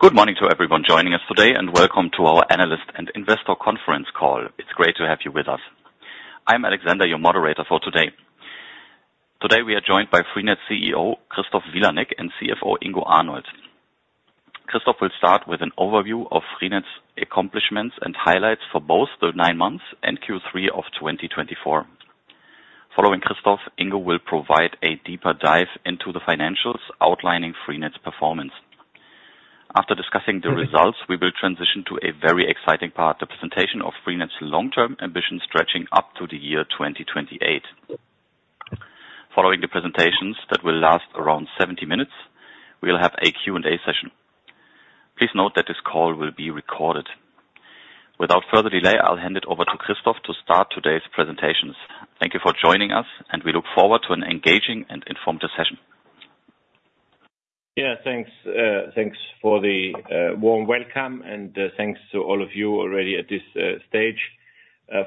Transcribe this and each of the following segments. Good morning to everyone joining us today and welcome to our Analyst and Investor Conference Call. It's great to have you with us. I'm Alexander, your moderator for today. Today we are joined by Freenet CEO Christoph Vilanek and CFO Ingo Arnold. Christoph will start with an overview of Freenet's accomplishments and highlights for both the nine months and Q3 of 2024. Following Christoph, Ingo will provide a deeper dive into the financials outlining Freenet's performance. After discussing the results we will transition to a very exciting part, the presentation of Freenet's long term ambition stretching up to the year 2028. Following the presentations that will last around 70 minutes, we will have a Q&A session. Please note that this call will be recorded without further delay. I'll hand it over to Christoph to start today's presentations. Thank you for joining us and we look forward to an engaging and informative session. Yeah, thanks. Thanks for the warm welcome and thanks to all of you already at this stage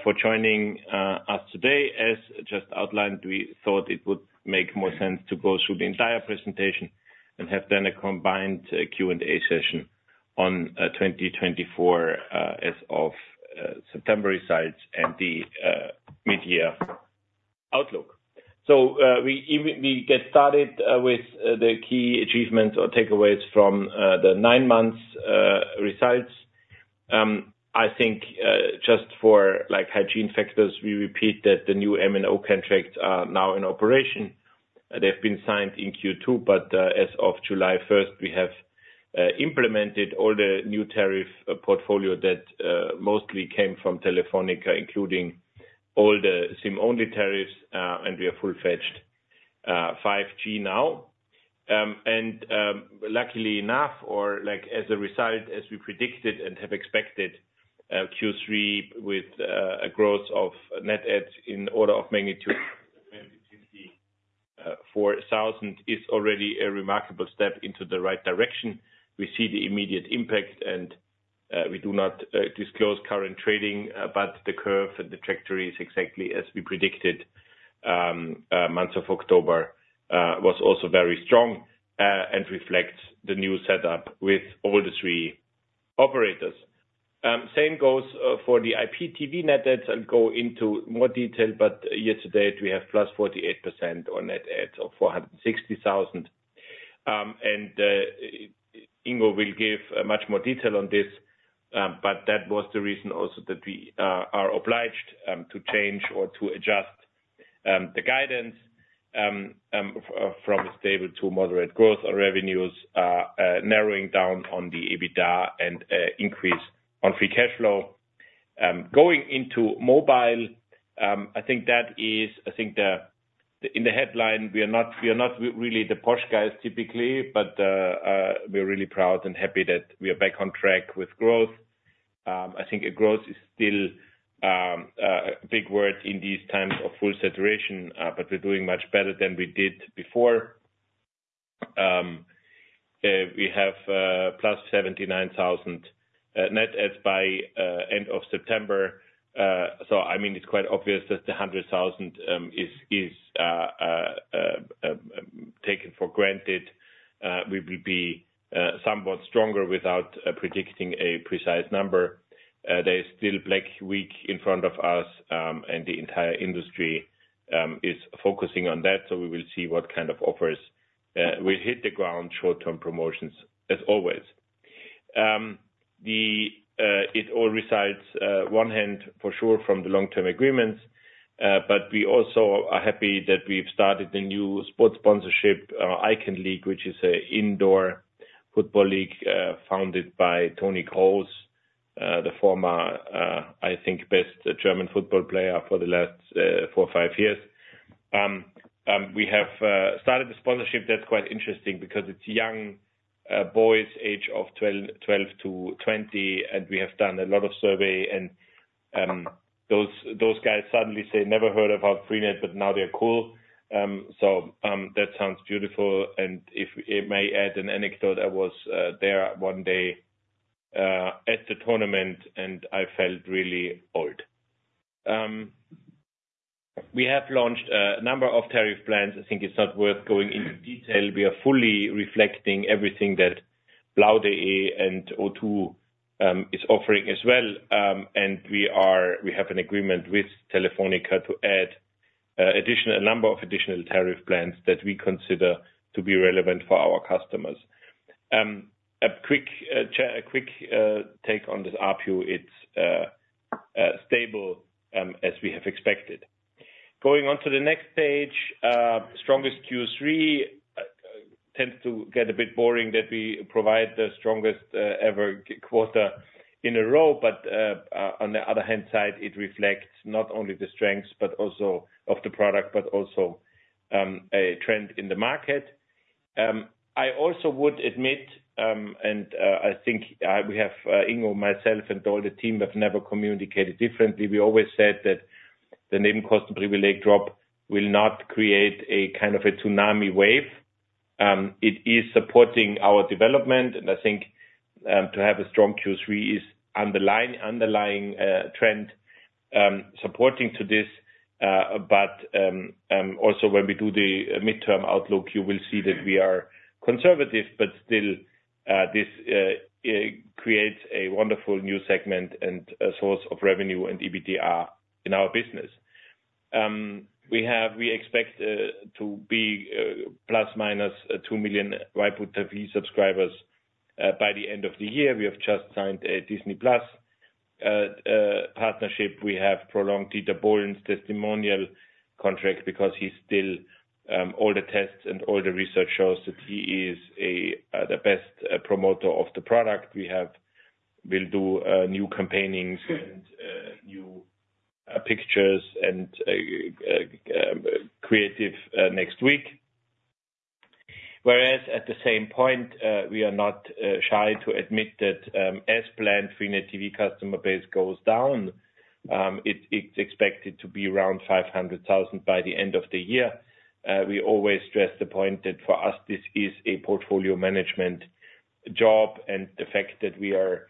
for joining us today. As just outlined, we thought it would make more sense to go through the entire presentation and have done a combined Q&A session on 2024 as of September results and the mid-year outlook. So we get started with the key achievements or takeaways from the nine months results. I think just for, like, hygiene factors we repeat that the new MNO contracts are now in operation. They've been signed in Q2 but as of July 1st we have implemented all the new tariff portfolio that mostly came from Telefónica including all the SIM-only tariffs and we are full-fledged 5G now and luckily enough or like as a result as we predicted and have expected, Q3 with a growth of net add in order of magnitude 4,000 is already a remarkable step into the right direction. We see the immediate impact and we do not disclose current trading but the curve and the trajectory is exactly as we predicted. Month of October was also very strong and reflects the new setup with all three operators. Same goes for the IPTV net adds. I'll go into more detail, but year to date we have +48% on net adds or 460,000, and Ingo will give much more detail on this, but that was the reason also that we are obliged to change or to adjust the guidance from a stable to moderate growth on revenues, narrowing down on the EBITDA and increase on free cash flow going into mobile. I think that is, I think, in the headline. We are not really the posh guys typically, but we are really proud and happy that we are back on track with growth. I think growth is still a big word in these times of full saturation. But we're doing much better than we did before. We have plus 79,000 net adds by end of September. So I mean it's quite obvious that the 100,000 is taken for granted. We will be somewhat stronger without predicting a precise number. There is still Black Week in front of us and the entire industry is focusing on that. So we will see what kind of offers will hit the ground. Short term promotions. As always, it all results one hand for sure from the long term agreements. But we also are happy that we've started the new sports sponsorship Icon League which is an indoor football league founded by Toni Kroos, the former, I think best German football player for the last four or five years. We have started the sponsorship that's quite interesting because it's young boys age of 12-20 and we have done a lot of survey and those guys suddenly say never heard about Freenet but now they're cool. So that sounds beautiful. If I may add an anecdote, I was there one day at the tournament and I felt really old. We have launched a number of tariff plans. I think it's not worth going into detail. We are fully reflecting everything that Blau and O2 is offering as well. And we have an agreement with Telefónica to add an additional number of tariff plans that we consider to be relevant for our customers. A quick take on this ARPU. It's stable as we have expected. Going on to the next page. Strongest Q3 tends to get a bit boring that we provide the strongest ever quarter in a row. But on the other hand side it reflects not only the strengths but also of the product but also a trend in the market. I also would admit and I think we have Ingo, myself and all the team have never communicated differently. We always said that the Nebenkostenprivileg drop will not create a kind of a tsunami wave. It is supporting our development and I think to have a strong Q3 is underlying trend supporting to this. But also when we do the midterm outlook you will see that we are conservative. But still this creates a wonderful new segment and source of revenue and EBITDA in our business. We expect to be plus minus 2 million Waipu.tv subscribers by the end of the year. We have just signed a Disney+ partnership. We have prolonged Dieter Bohlen's testimonial contract because he still, all the tests and all the research shows that he is the best promoter of the product. We will do new campaigns and new pictures and creatives next week. Whereas at the same point we are not shy to admit that as planned Freenet TV customer base goes down. It's expected to be around 500,000 by the end of the year. We always stress the point that for us this is a portfolio management job. And the fact that we are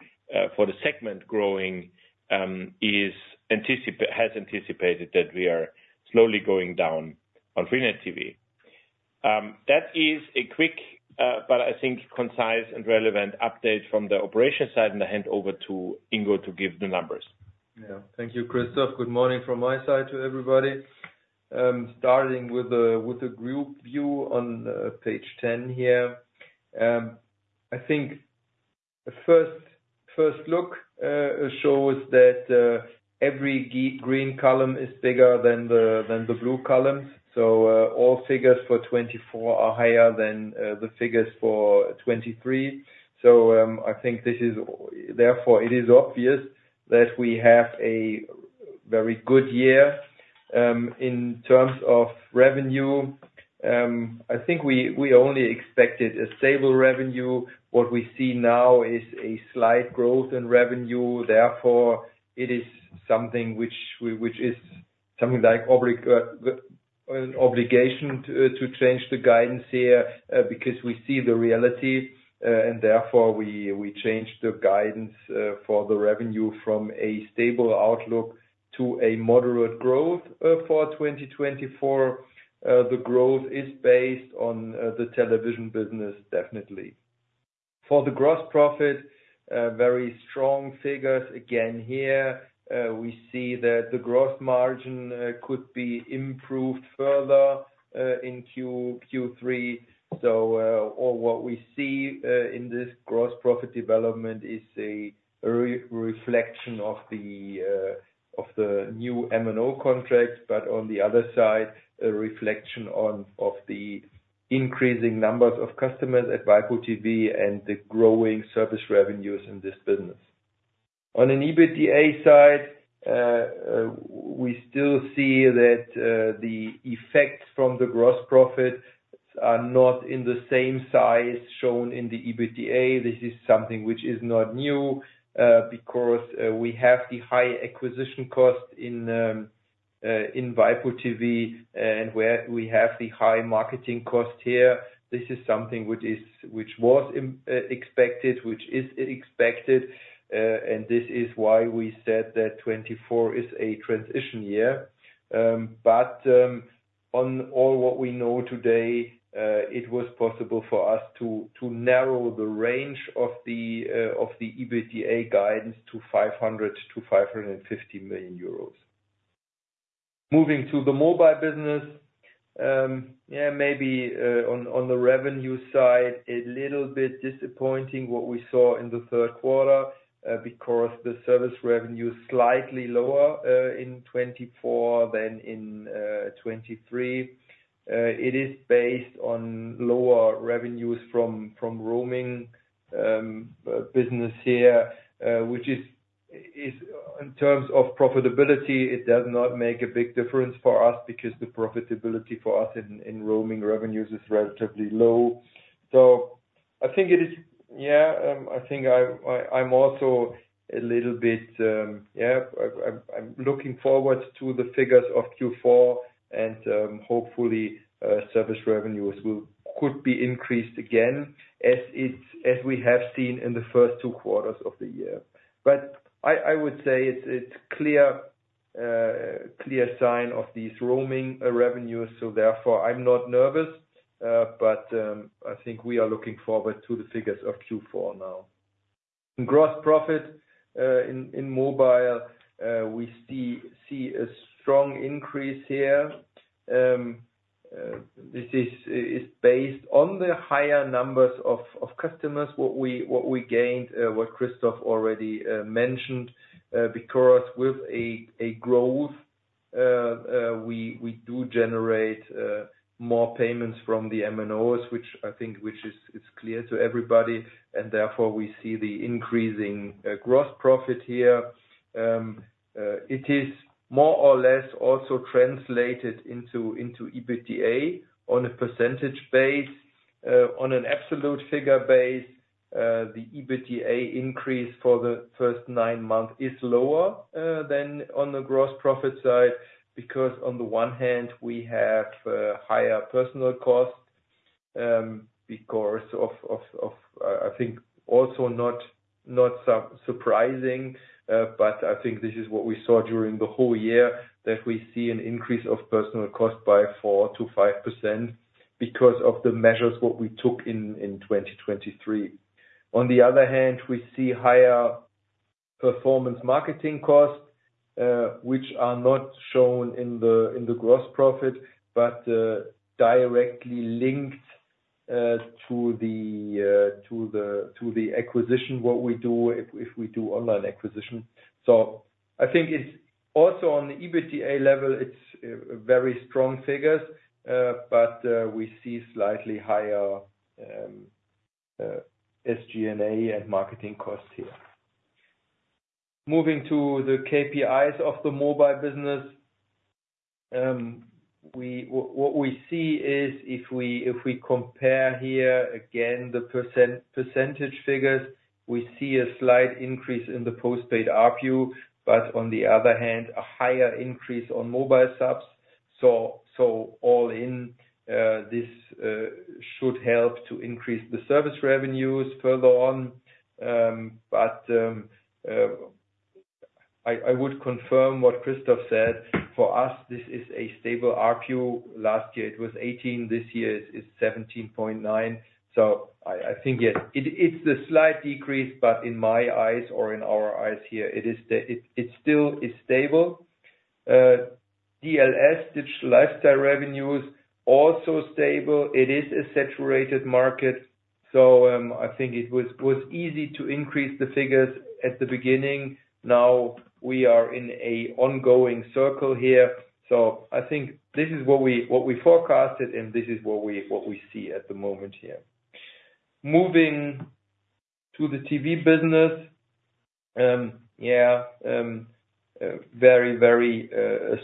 for the segment growing has anticipated that we are slowly going down on Freenet TV. That is a quick but I think concise and relevant update from the operations side. And I hand over to Ingo to give the numbers. Thank you, Christoph. Good morning. From my side to everybody, starting with a group view on page 10 here, I think the first look shows that every green column is bigger than the blue columns. So all figures for 2024 are higher than the figures for 2023. So I think this is therefore it is obvious that we have a very good year in terms of revenue. I think we only expected a stable revenue. What we see now is a slight growth in revenue. Therefore it is something which is something like an obligation to change the guidance here because we see the reality and therefore we changed the guidance for the revenue from a stable outlook to a moderate growth for 2024. The growth is based on the television business. Definitely. For the gross profit, very strong figures. Again here we see that the gross margin could be improved further in Q3. So what we see in this gross profit development is a reflection of the new MNO contract, but on the other side a reflection of the increasing numbers of customers at Waipu.tv and the growing service revenues in this business. On an EBITDA side, we still see that the effects from the gross profit are not in the same size shown in the EBITDA. This is something which is not new because we have the high acquisition cost in Waipu.tv and where we have the high marketing cost here. This is something which was expected, which is expected. And this is why we said that 2024 is a transition year. But on all what we know today, it was possible for us to narrow the range of the EBITDA guidance to 500 million-550 million euros. Moving to the mobile business, maybe on the revenue side, a little bit disappointing. What we saw in the third quarter, because the service revenue is slightly lower in 2024 than in 2023. It is based on lower revenues from roaming business here, which is in terms of profitability, it does not make a big difference for us because the profitability for us in roaming revenues is relatively low. So I think it is. I think I'm also a little bit. I'm looking forward to the figures of Q4 and hopefully service revenues could be increased again as we have seen in the first two quarters of the year. But I would say it's clear sign of these roaming revenues. So therefore I'm not nervous, but I think we are looking forward to the figures of Q4 now. Gross profit in mobile, we see a strong increase here. This is based on the higher numbers of customers, what we gained, what Christoph already mentioned, because with a growth. We. does generate more payments from the MNOs, which is clear to everybody and therefore we see the increasing gross profit here. It is more or less also translated into EBITDA on a percentage basis. On an absolute figure basis, the EBITDA increase for the first nine months is lower than on the gross profit side because on the one hand we have higher personnel cost because of. I think also not surprising, but I think this is what we saw during the whole year that we see an increase of personnel cost by 4%-5% because of the measures what we took in 2023. On the other hand we see higher performance marketing costs which are not shown in the gross profit but directly linked to the acquisition. What we do if we do online acquisition. So I think it's also on the EBITDA level, it's very strong figures, but we see slightly higher SG&A and marketing costs here. Moving to the KPIs of the mobile business. What we see is if we compare here again the percentage figures, we see a slight increase in the postpaid ARPU, but on the other hand a higher increase on mobile subs, so all in all this should help to increase the service revenues further on. But I would confirm what Christoph said; for us this is a stable ARPU. Last year it was 18, this year is 17.9. So I think it's the slight decrease but in my eyes or in our eyes here it is, it still is stable DLS digital lifestyle revenues also stable. It is a saturated market, so I think it was easy to increase the figures at the beginning. Now we are in an ongoing cycle here, so I think this is what we forecasted and this is what we see at the moment here. Moving to the TV business. Very, very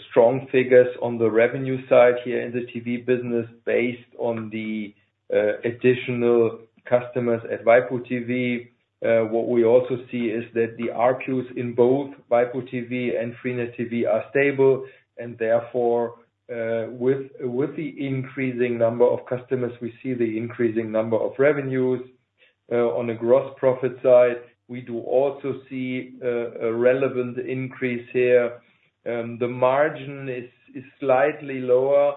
strong figures on the revenue side here in the TV business based on the additional customers at Waipu.tv. What we also see is that the ARPUs in both Waipu.tv and Freenet TV are stable and therefore with the increasing number of customers, we see the increasing number of revenues. On the gross profit side we do also see a relevant increase. Here the margin is slightly lower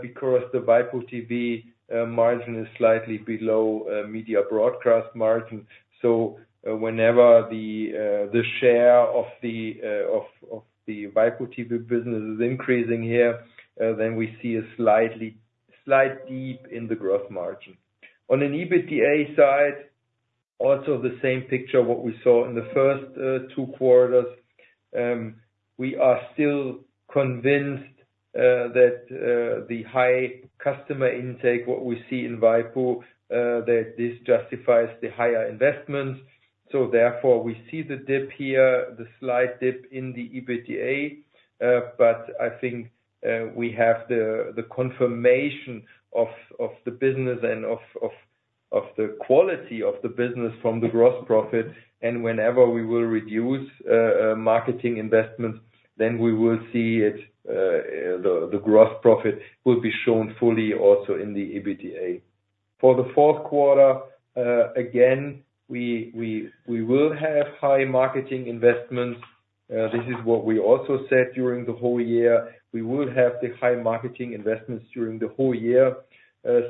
because the Waipu.tv margin is slightly below Media Broadcast margin. So whenever the share of the Waipu.tv business is increasing here then we see a slight dip in the gross margin. On an EBITDA side also the same picture what we saw in the first two quarters. We are still convinced that the high customer intake, what we see in Waipu.tv, that this justifies the higher investments. So therefore we see the dip here, the slight dip in the EBITDA. But I think we have the confirmation of the business and of the quality of the business from the gross profit. And whenever we will reduce marketing investments then we will see the gross profit will be shown fully. Also in the EBITDA for the fourth quarter again we will have high marketing investments. This is what we also said during the whole year. We will have the high marketing investments during the whole year.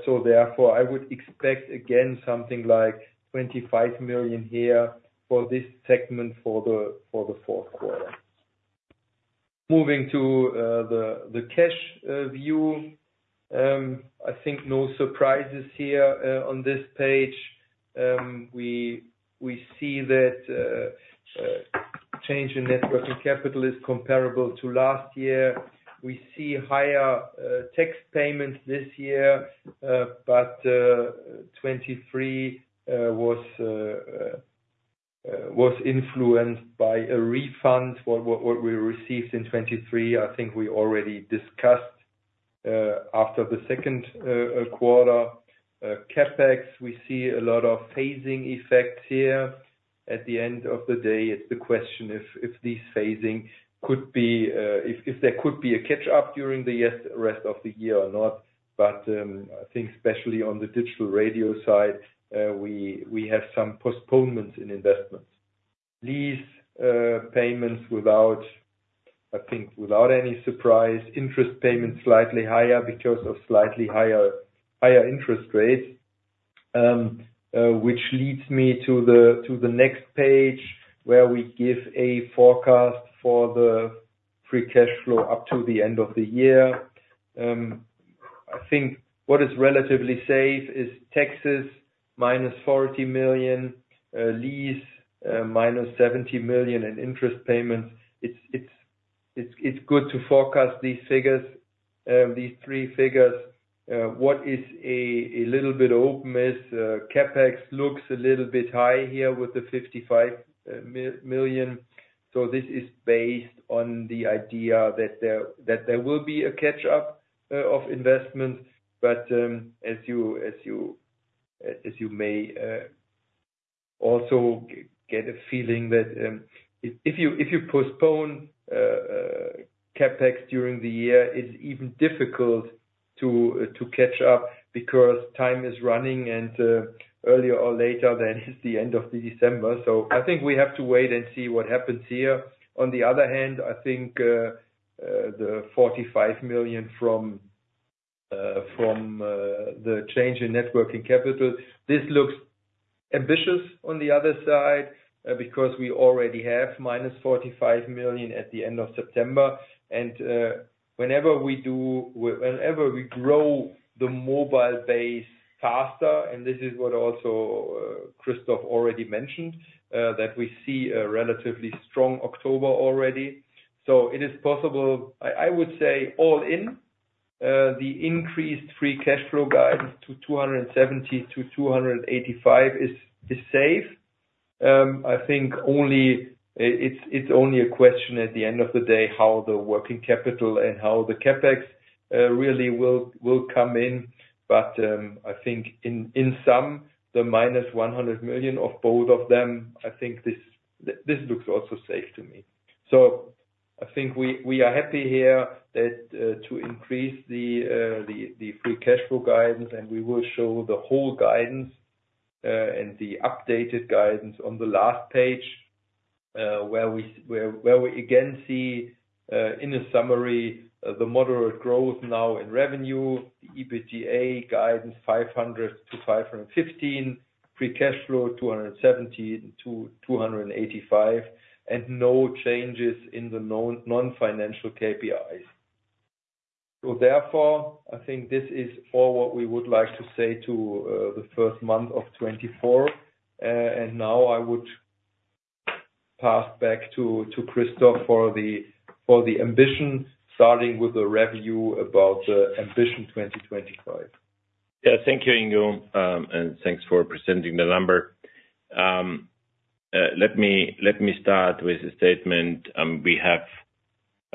So therefore I would expect again something like 25 million here for this segment. For the fourth quarter. Moving to the cash view, I think no surprises here on this page. We see that change in net working capital is comparable to last year. We see higher tax payments this year, but 2023 was influenced by a refund what we received in 2023. I think we already discussed after the second quarter CapEx. We see a lot of phasing effects here. At the end of the day, it's the question if these phasing could be if there could be a catch up during the rest of the year or not. But I think especially on the digital radio side, we have some postponements in investments, lease payments without, I think, without any surprise. Interest payments slightly higher because of slightly higher interest rates. Which leads me to the next page where we give a forecast for the free cash flow up to the end of the year. I think what is relatively safe is taxes -40 million, lease -70 million in interest payments. It's good to forecast these figures, these three figures. What is a little bit open is CapEx looks a little bit high here with the 55 million. So this is based on the idea that there will be a catch up of investments. But. As you may also get a feeling that if you postpone CapEx during the year, it's even difficult to catch up because time is running and earlier or later than is the end of December. So I think we have to wait and see what happens here. On the other hand, I think the 45 million from the change in net working capital this looks ambitious on the other side because we already have -45 million at the end of September and whenever we do, whenever we grow the mobile base faster and this is what also Christoph already mentioned that we see a relatively strong October already. So it is possible I would say all in the increased free cash flow guidance to 270 million-285 million is. Is safe. I think only. It's only a question at the end of the day how the working capital and how the CapEx really will come in. But I think in sum the -100 million of both of them I think this looks also safe to me. So I think we are happy here that to increase the free cash flow guidance and we will show the whole guidance and the updated guidance on the last page where we again see in a summary the moderate growth now in revenue, the EBITDA 500-515, free cash flow 217-285 and no changes in the non-financial KPIs. So therefore I think this is all what we would like to say to the first month of 2024. And now I would pass back to Christoph for the ambition starting with the revenue about the ambition. Yeah, thank you, Ingo, and thanks for presenting the number. Let me start with a statement we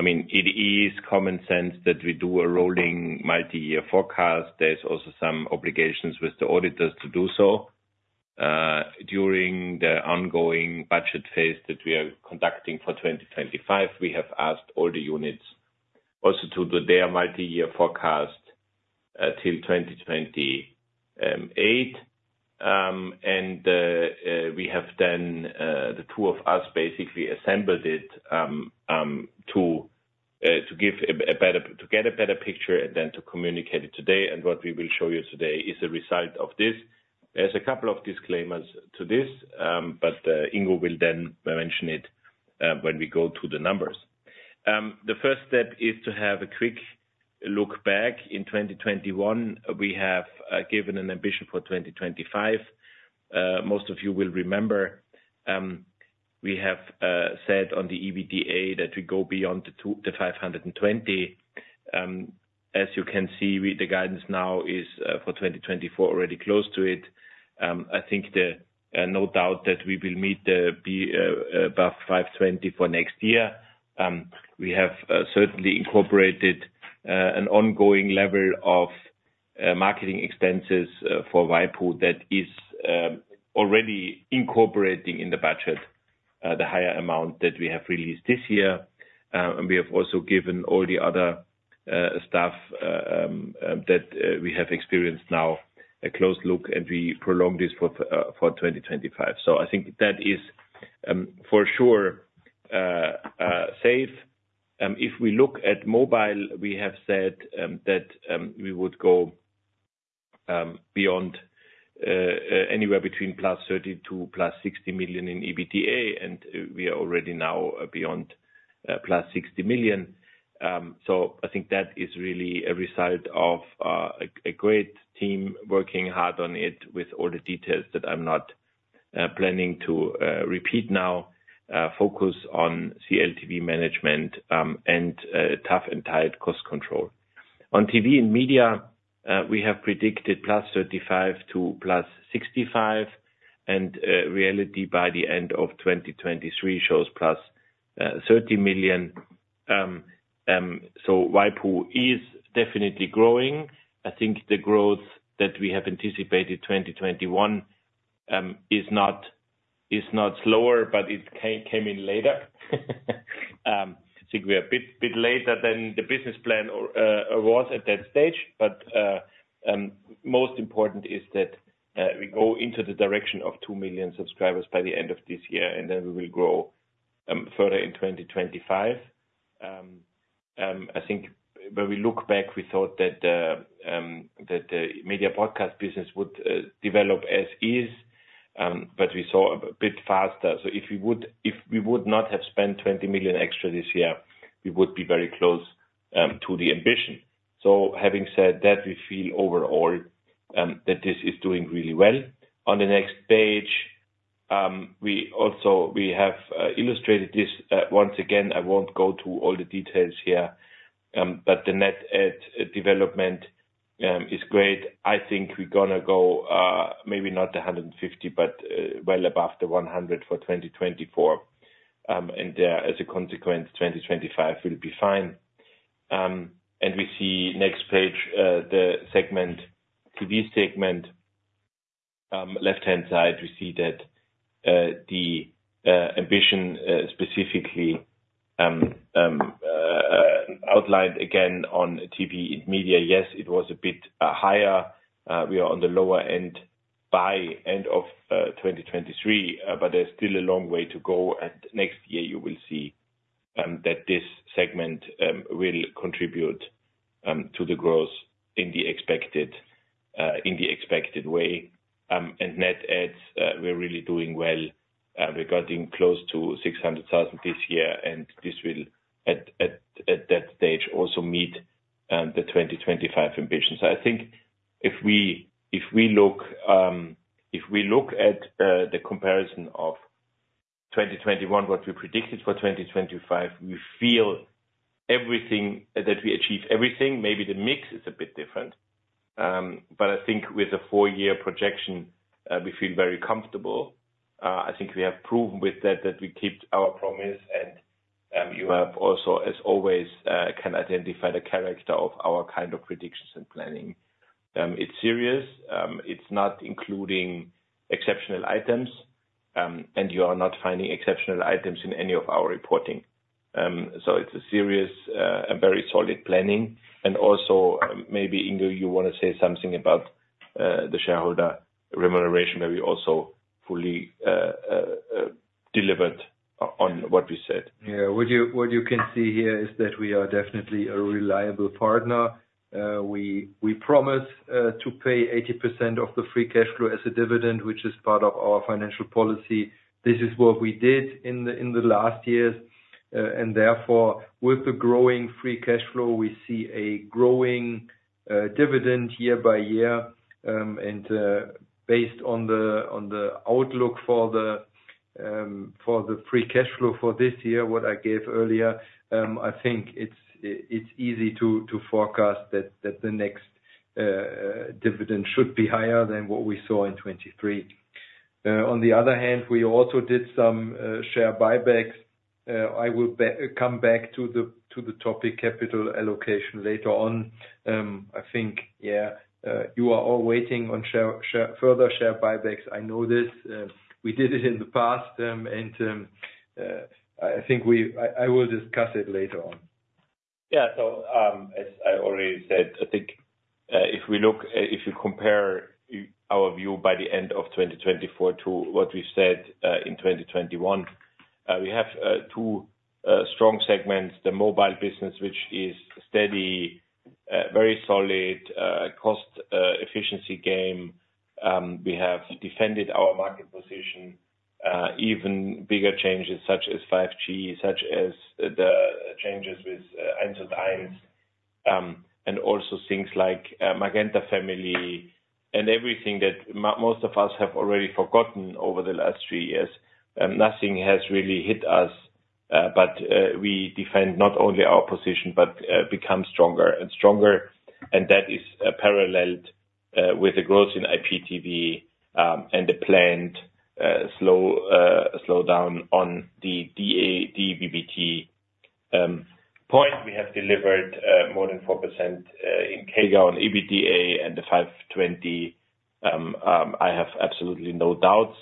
have. I mean, it is common sense that we do a rolling multi-year forecast. There's also some obligations with the auditors to do so during the ongoing budget phase that we are conducting for 2025. We have asked all the units also to do their multi-year forecast till 2028. And we have then the two of us basically assembled it to give a better. To get a better picture and then to communicate it today. And what we will show you today is a result of this. There's a couple of disclaimers to this, but Ingo will then mention it when we go to the numbers. The first step is to have a quick look back in 2021. We have given an ambition for 2025. Most of you will remember we have said on the EBITDA that we go beyond the 520 million. As you can see the guidance now is for 2024. Already close to it. I think no doubt that we will meet the above 520 million for next year. We have certainly incorporated an ongoing level of marketing expenses for Waipu.tv that is already incorporating in the budget the higher amount that we have released this year. We have also given all the other stuff that we have experienced now a close look and we prolonged this for 2025. I think that is for sure safe. If we look at mobile, we have said that we would go beyond anywhere between +30 million-+60 million in EBITDA and we are already now beyond +60 million. I think that is really a result of a great team working hard on it with all the details that I'm not planning to repeat now. Focus on CLTV management and tough and tight cost control on TV and media. We have predicted +35 to +65 and reality by the end of 2023 shows +30 million. So Waipu.tv is definitely growing. I think the growth that we have anticipated 2021 is not slower, but it came in later. I think we are a bit later than the business plan was at that stage. But most important is that we go into the direction of 2 million subscribers by the end of this year and then we will grow further in 2025. I think when we look back, we thought that the Media Broadcast business would develop as is, but we saw a bit faster. So if we would not have spent 20 million extra this year, we would be very close to the ambition. So having said that, we feel overall that this is doing really well. On the next page we have illustrated this once again. I won't go to all the details here, but the net development is great. I think we're going to go maybe not 150 but well above the 100 for 2024 and as a consequence 2025 will be fine. And we see next page, the segment, TV segment, left hand side we see that the ambition specifically outlined again on TV and Media. Yes, it was a bit higher. We are on the lower end by end of 2023, but there's still a long way to go. And next year you will see that this segment will contribute to the growth in the expected way. And net adds, we're really doing well regarding close to 600,000 this year, and this will at that stage also meet the 2025 ambitions. I think if we look at the comparison of 2021, what we predicted for 2025, we feel everything that we achieve, everything. Maybe the mix is a bit different, but I think with a four-year projection we feel very comfortable. I think we have proven with that that we keep our promise. And you have also, as always, can identify the character of our kind of predictions and planning. It's serious, it's not including exceptional items, and you are not finding exceptional items in any of our reporting. So it's a serious and very solid planning. And also maybe Ingo, you want to say something about the shareholder remuneration where we also fully delivered on what we said. Yeah, what you can see here is that we are definitely a reliable partner. We promise to pay 80% of the free cash flow as a dividend which is part of our financial policy. This is what we did in the last years and therefore with the growing free cash flow we see a growing dividend year by year. And based on the outlook for the free cash flow for this year what I gave earlier, I think it's easy to forecast that the next dividend should be higher than what we saw in 2023. On the other hand, we also did some share buybacks. I will come back to the topic capital allocation later on. I think you are all waiting on further share buybacks. I know this, we did it in the past and I think I will discuss it later on. Yeah, so as I already said, I think if we look. If you compare our view by the end of 2024 to what we said in 2021, we have two strong segments, the mobile business, which is steady, very solid cost efficiency gain. We have defended our market position even bigger changes such as 5G such as the changes with and also things like Magenta Family and everything that most of us have already forgotten over the last three years. Nothing has really hit us. But we defend not only our position but become stronger and stronger and that is paralleled with the growth in IPTV and the planned slowdown on the DAB and DVB-T point. We have delivered more than 4% in CAGR on EBITDA and the 5.20. I have absolutely no doubts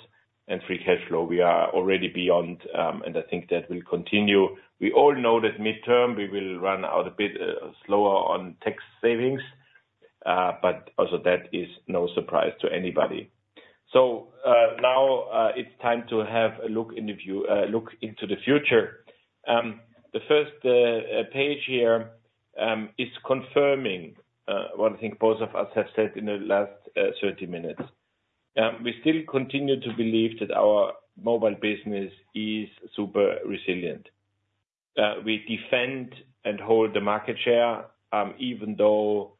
and free cash flow we are already beyond and I think that will continue. We all know that midterm we will run out a bit slower on tax savings. But also that is no surprise to anybody. So now it's time to have a look in the view. Look into the future. The first page here is confirming what I think both of us have said in the last 30 minutes. We still continue to believe that our mobile business is super resilient. We defend and hold the market share even though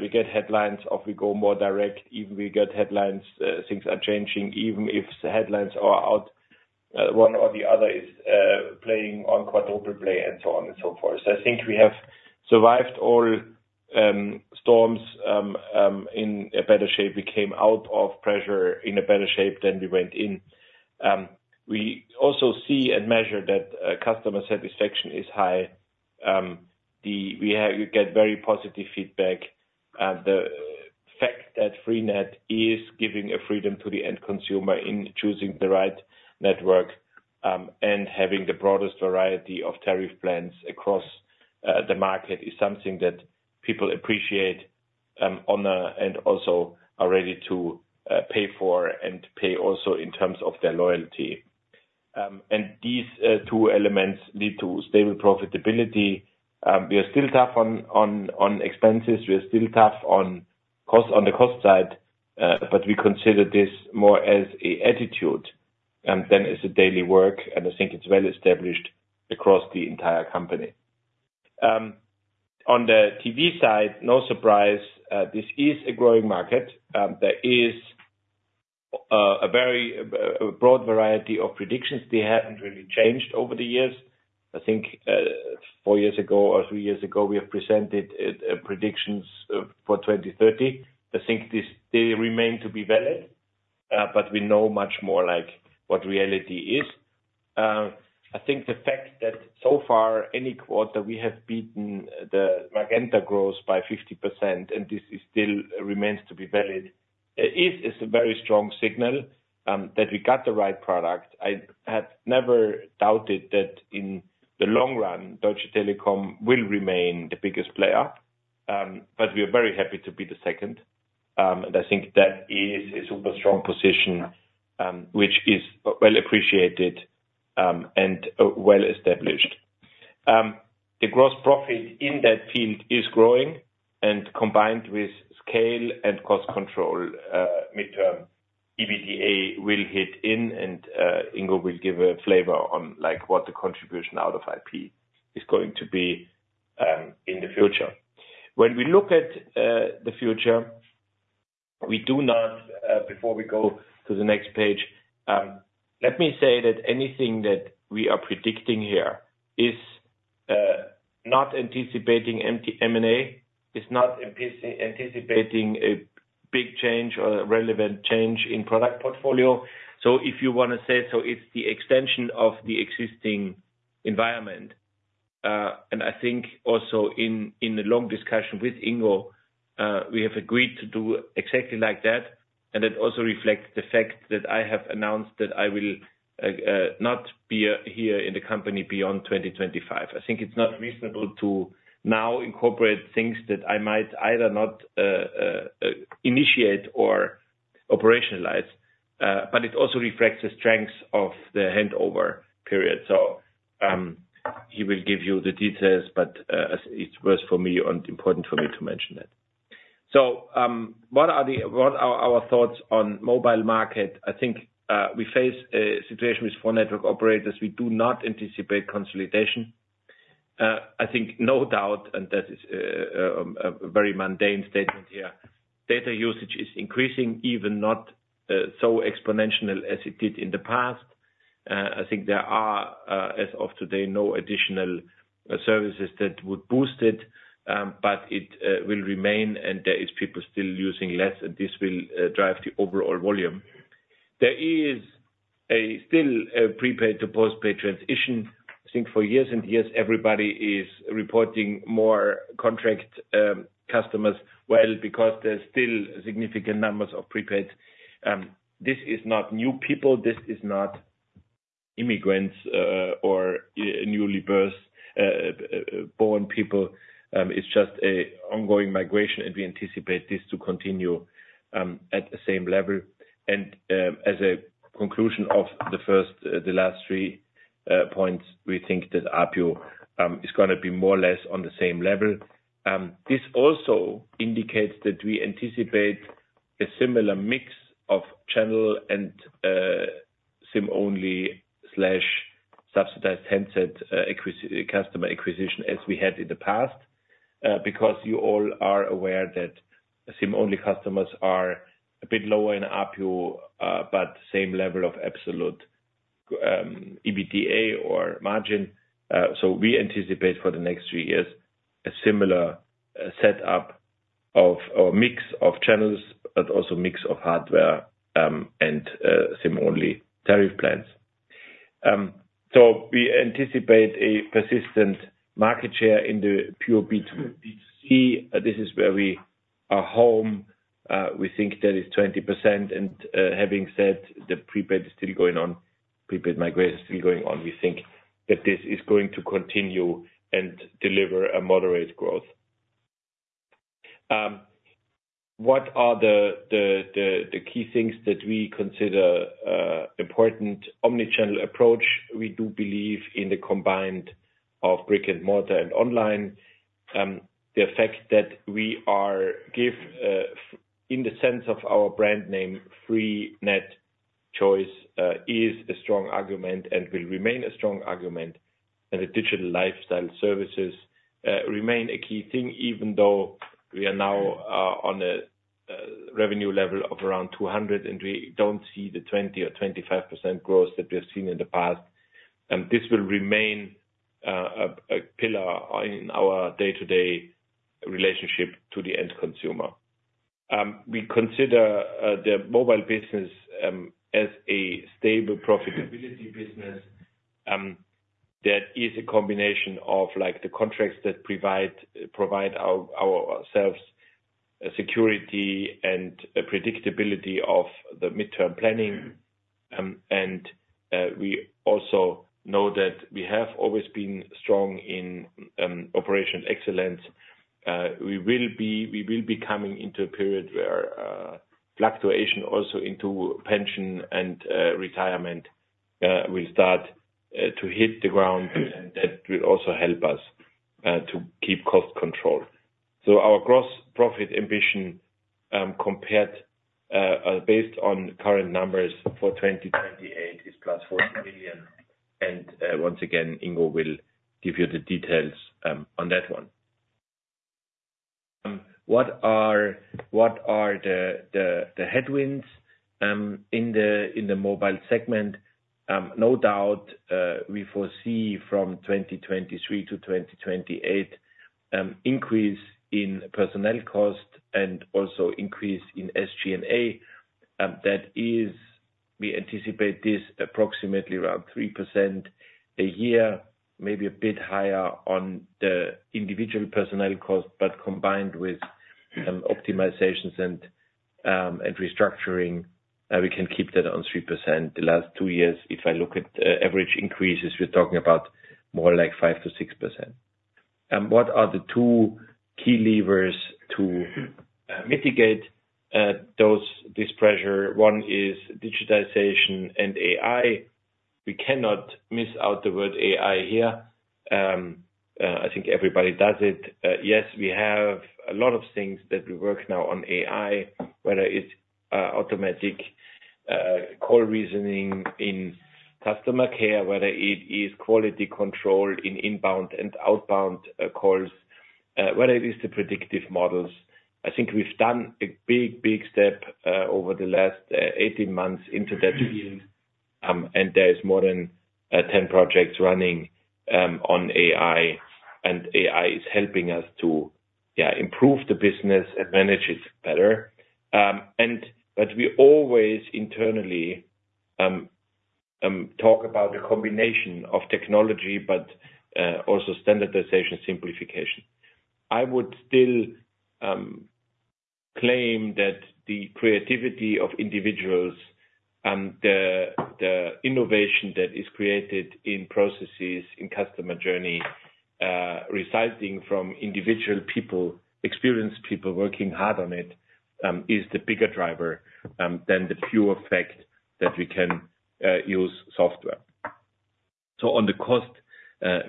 we get headlines or we go more direct, even we get headlines. Things are changing. Even if the headlines are out, one or the other is playing on quadruple play and so on and so forth. I think we have survived all storms in a better shape. We came out of pressure in a better shape than we went in. We also see and measure that customer satisfaction is high. We get very positive feedback. The fact that Freenet is giving a freedom to the end consumer in choosing the right network and having the broadest variety of tariff plans across the market is something that people appreciate, honor and also are ready to pay for and pay also in terms of their loyalty. And these two elements lead to stable profitability. We are still tough on expenses, we are still tough on cost on the cost side. But we consider this more as an attitude and then as a daily work. And I think it's well established across the entire company. On the TV side, no surprise. This is a growing market. There is a very broad variety of predictions. They haven't really changed over the years. I think four years ago or three years ago we have presented predictions for 2030. I think these remain to be valid, but we know much more like what reality is. I think the fact that so far in any quarter we have beaten the Magenta growth by 50% and this still remains to be valid is a very strong signal that we got the right product. I have never doubted that in the long run Deutsche Telekom will remain the biggest player. But we are very happy to be the second. And I think that is a super strong position which is well appreciated and well established. The gross profit in that field is growing and combined with scale and cost control. Midterm, EBITDA will kick in and Ingo will give a flavor on like what the contribution out of TV is going to be in the future. When we look at the future, we do not. Before we go to the next page, let me say that anything that we are predicting here is not anticipating. We are not anticipating a big change or relevant change in product portfolio. So if you want to say so, it's the extension of the existing environment. And I think also in the long discussion with Ingo, we have agreed to do exactly like that. And it also reflects the fact that I have announced that I will not be here in the company beyond 2025. I think it's not reasonable to now incorporate things that I might either not initiate or operationalize. But it also reflects the strength of the handover period. So he will give you the details, but it was important for me to mention that. So, what are our thoughts on the mobile market? I think we face a situation with four network operators. We do not anticipate consolidation. I think no doubt and that is a very mundane statement here. Data usage is increasing even not so exponential as it did in the past. I think there are as of today no additional services that would boost it. But it will remain and there is people still using less and this will drive the overall volume. There is still a prepaid to postpaid transition. I think for years and years everybody is reporting more contract customers. Well, because there's still significant numbers of prepaids. This is not new people, this is not immigrants or newly born people. It's just an ongoing migration and we anticipate this to continue at the same level. As a conclusion of the first, the last three points, we think that ARPU is going to be more or less on the same level. This also indicates that we anticipate a similar mix of channel and SIM-only subsidized handset customer acquisition as we had in the past. Because you all are aware that SIM-only customers are a bit lower in ARPU but same level of absolute EBITDA or margin. We anticipate for the next three years a similar setup of mix of channels but also mix of hardware and SIM-only tariff plans. We anticipate a persistent market share in the pure B2C. This is where we are home. We think that is 20%. Having said the prepaid is still going on, migration still going on. We think that this is going to continue and deliver a moderate growth. What are the key things that we consider important? Omnichannel approach we do believe in the combined of brick and mortar and online. The effect that we give in the sense of our brand name, Freenet choice is a strong argument and will remain a strong argument. The digital lifestyle services remain a key thing. Even though we are now on a revenue level of around 200 and we don't see the 20%-25% growth that we have seen in the past and this will remain a pillar in our day to day relationship to the end consumer. We consider the mobile business as a stable profitability business that is a combination of like the contracts that provide ourselves security and predictability of the midterm planning. We also know that we have always been strong in operational excellence. We will be coming into a period where fluctuation also into pension and retirement will start to hit the ground. That will also help us to keep cost control. Our gross profit ambition compared based on current numbers for 2028 is +40 million. And once again Ingo will give you the details on that one. What are the headwinds in the mobile segment? No doubt we foresee from 2023 to 2028 increase in personnel cost and also increase in SG&A. That is we anticipate this approximately around 3% a year, maybe a bit higher on the individual personnel cost. But combined with optimizations and restructuring we can keep that on 3% the last two years. If I look at average increases, we're talking about more like 5%-6%. What are the two key levers to mitigate this pressure? One is digitization and AI. We cannot miss out the word AI here. I think everybody does it. Yes, we have a lot of things that we work now on AI, whether it's automatic call reasoning in customer care, whether it is quality control in inbound and outbound calls, whether it is the predictive models. I think we've done a big, big step over the last 18 months into that, and there is more than 10 projects running on AI, and AI is helping us to improve the business and manage it better, but we always internally talk about a combination of technology, but also standardization, simplification. I would still claim that the creativity of individuals and the innovation that is created in processes, in customer journey, resulting from individual people, experienced people working hard on it, is the bigger driver than the pure fact that we can use software. So on the cost,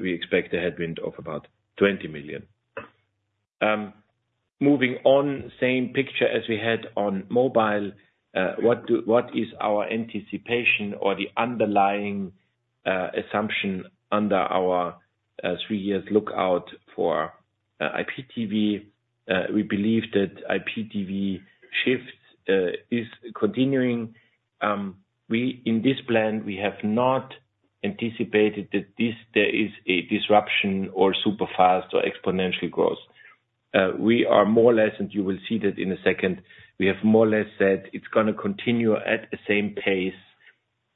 we expect a headwind of about 20 million. Moving on. Same picture as we had on mobile. What is our anticipation or the underlying assumption? Under our three-year outlook for IPTV, we believe that IPTV shift is continuing in this plan. We have not anticipated that there is a disruption or super fast or exponential growth. We are more or less, and you will see that in a second. We have more or less said it's going to continue at the same pace.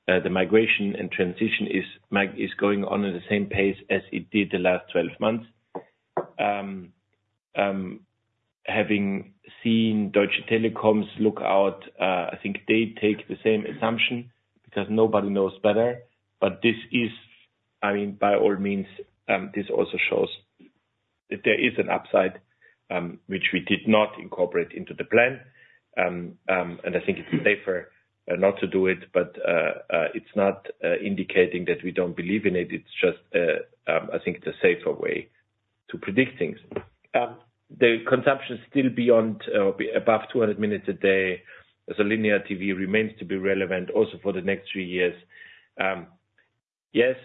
The migration and transition is going on at the same pace as it did the last 12 months. Having seen Deutsche Telekom's outlook, I think they take the same assumption because nobody knows better. But this is, I mean, by all means. This also shows that there is an upside which we did not incorporate into the plan. I think it's safer not to do it. But it's not indicating that we don't believe in it. It's just a safer way to predict things. The consumption is still well above 200 minutes a day, as linear TV remains relevant for the next three years. Yes,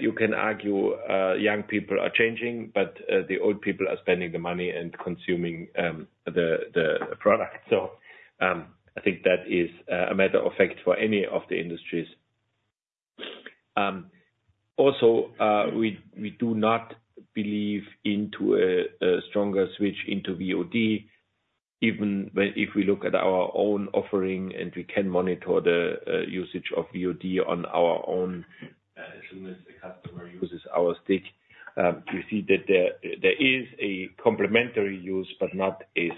you can argue young people are changing, but the old people are spending the money and consuming the product. It is a matter of fact for any of the industries. Also, we do not believe in a stronger switch to VOD, even if we look at our own offering and we can monitor the usage of VOD on our own. As soon as the customer uses our stick, you see that there is a complementary use but not a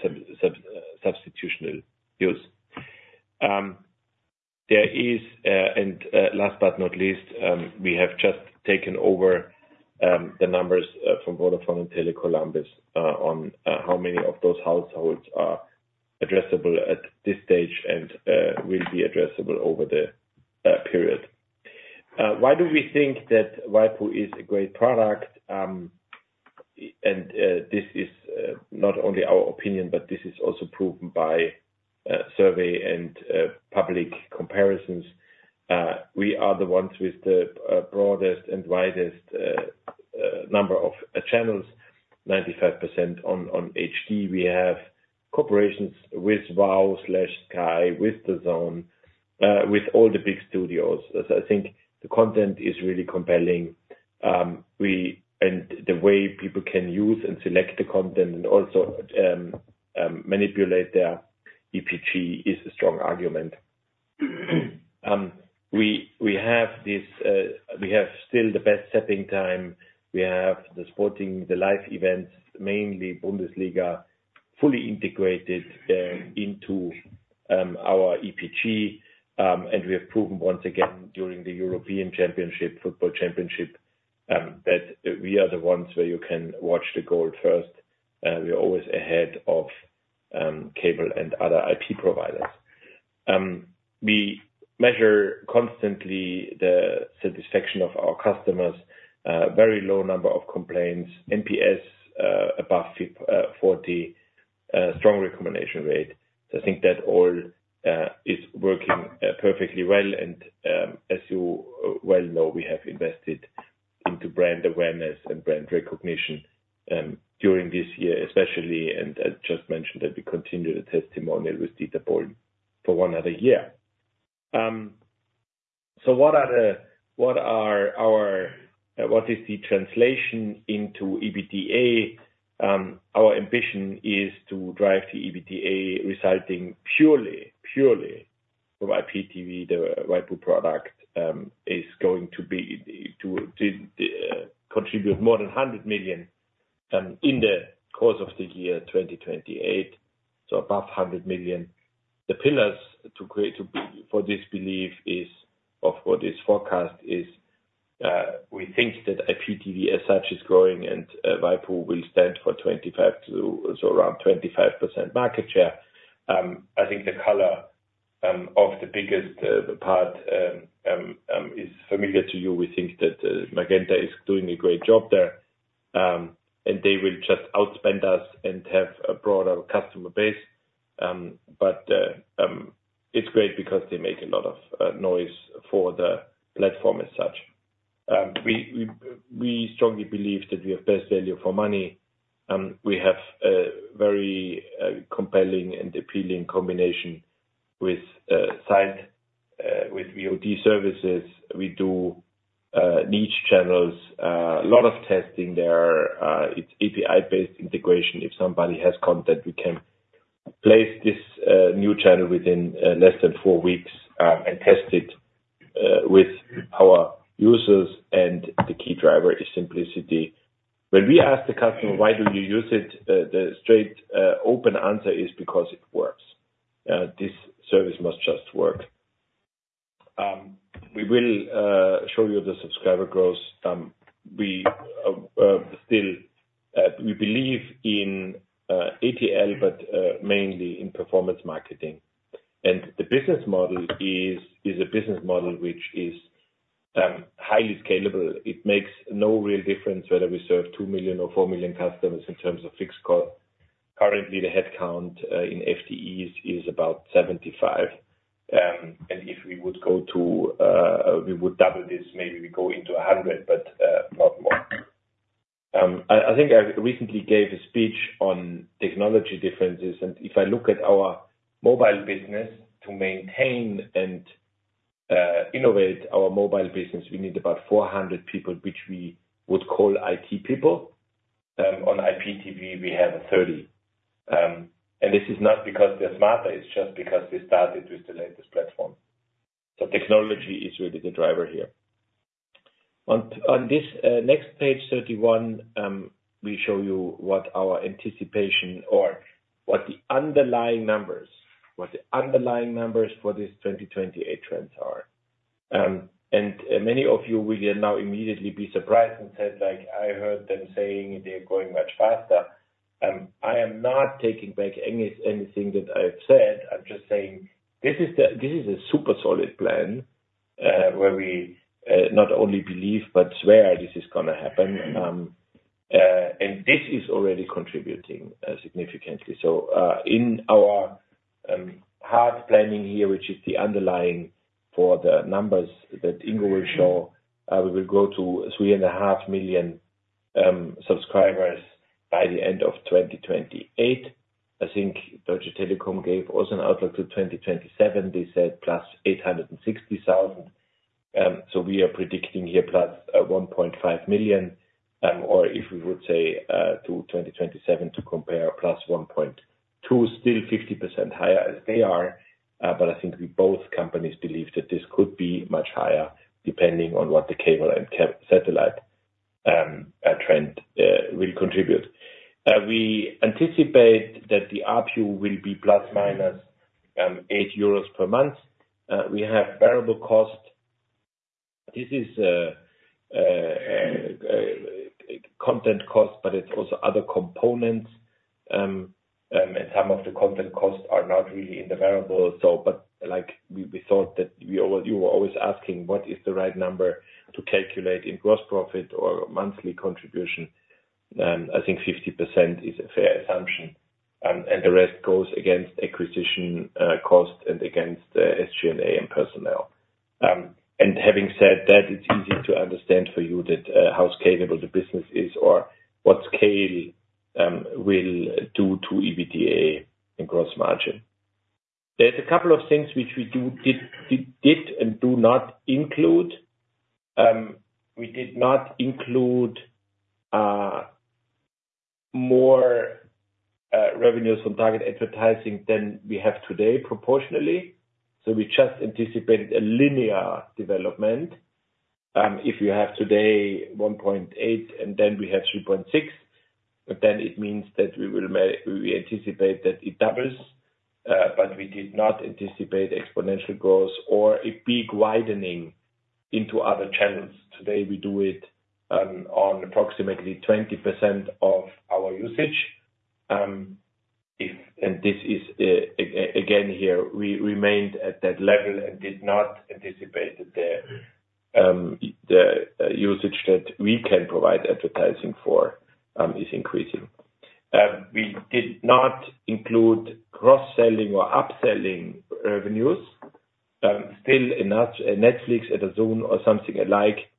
substitutional use. There is. Last, but not least, we have just taken over the numbers from Vodafone and Tele Columbus on how many of those households are addressable at this stage and will be addressable over the period. Why do we think that Waipu.tv is a great product? This is not only our opinion, but this is also proven by survey and public comparisons. We are the ones with the broadest and widest number of channels, 95% on HD. We have cooperations with WOW, Sky, with DAZN, with all the big studios. I think the content is really compelling and the way people can use and select the content and also manipulate their EPG is a strong argument. We have still the best setting time. We have the sporting, the live events, mainly Bundesliga for fully integrated into our EPG and we have proven once again during the European Championship Football Championship that we are the ones where you can watch the goal first. We are always ahead of cable and other IP providers. We measure constantly the satisfaction of our customers. Very low number of complaints, NPS above 40, strong retention rate. So I think that all is working perfectly well. And as you well know, we have invested into brand awareness and brand recognition during this year especially. And I just mentioned that we continue the testimonial with Dieter Bohlen for one other year. What is the translation into EBITDA? Our ambition is to drive the EBITDA resulting purely PTV. The Waipu.tv product is going to contribute more than 100 million in the course of the year 2028, so above 100 million. The pillars for this belief is of what is forecast is we think that IPTV as such is growing and Waipu.tv will stand for 25-30, so around 25% market share. I think the bulk of the biggest part is familiar to you. We think that MagentaTV is doing a great job there and they will just outspend us and have a broader customer base, but it's great because they make a lot of noise for the platform. As such we strongly believe that we have best value for money. We have a very compelling and appealing combination with Sky with VOD services. We do niche channels. A lot of testing there. It's API-based integration. If somebody has content, we can place this new channel within less than four weeks and test it with our users. The key driver is simplicity. When we ask the customer why do you use it? The straight open answer is because it works. This service must just work. We will show you the subscriber growth. We still believe in ATL but mainly in performance marketing, and the business model is a business model which is highly scalable. It makes no real difference whether we serve two million or four million customers. In terms of fixed cost, currently the headcount in FTEs is about 75. If we would go to, we would double this. Maybe we go into 100, but not more. I think I recently gave a speech on technology differences and if I look at our mobile business, to maintain and innovate our mobile business, we need about 400 people, which we would call it people on IPTV, we have 30. And this is not because they're smarter, it's just because they started with the latest platform. So technology is really the driver here. On this next page 31 we show you what our anticipation or what the underlying numbers for this 2028 trends are. And many of you will now immediately be surprised and said, like I heard them saying, they're going much faster. I am not taking back anything that I've said. I'm just saying this is a super solid plan where we not only believe but swear this is going to happen. And this is already contributing significantly. In our forward planning here, which is the underlying for the numbers that Ingo will show, we will go to 3.5 million subscribers by the end of 2028. I think Deutsche Telekom gave us an outlook to 2027. They said plus 860,000. So we are predicting here plus 1.5 million or if we would say to 2027 to compare, plus 1.2. Still 50% higher as they are. But I think both companies believe that this could be much higher, depending on what the cable and satellite trend will contribute. We anticipate that the ARPU will be 8 euros per month. We have variable cost, this is content cost, but it is also other components. And some of the content costs are not really in the variable. But like we thought that you were always asking what is the right number to calculate in gross profit or monthly contribution. I think 50% is a fair assumption and the rest goes against acquisition cost and against SG&A personnel. And having said that, it's easy to understand for you that how scalable the business is or what scale will do to EBITDA and gross margin. There's a couple of things which we did and do not include. We did not include more revenues from targeted advertising than we have today proportionally. So we just anticipate a linear development. If you have today 1.8 and then we have 3.6, then it means that we anticipate that it doubles, but we did not anticipate exponential growth or a peak widening into other channels. Today we do it on approximately 20% of our usage and this is again here. We remained at that level and did not anticipate that the usage that we can provide advertising for is increasing. We did not include cross selling or upselling revenues. Still, Netflix, Amazon or something alike,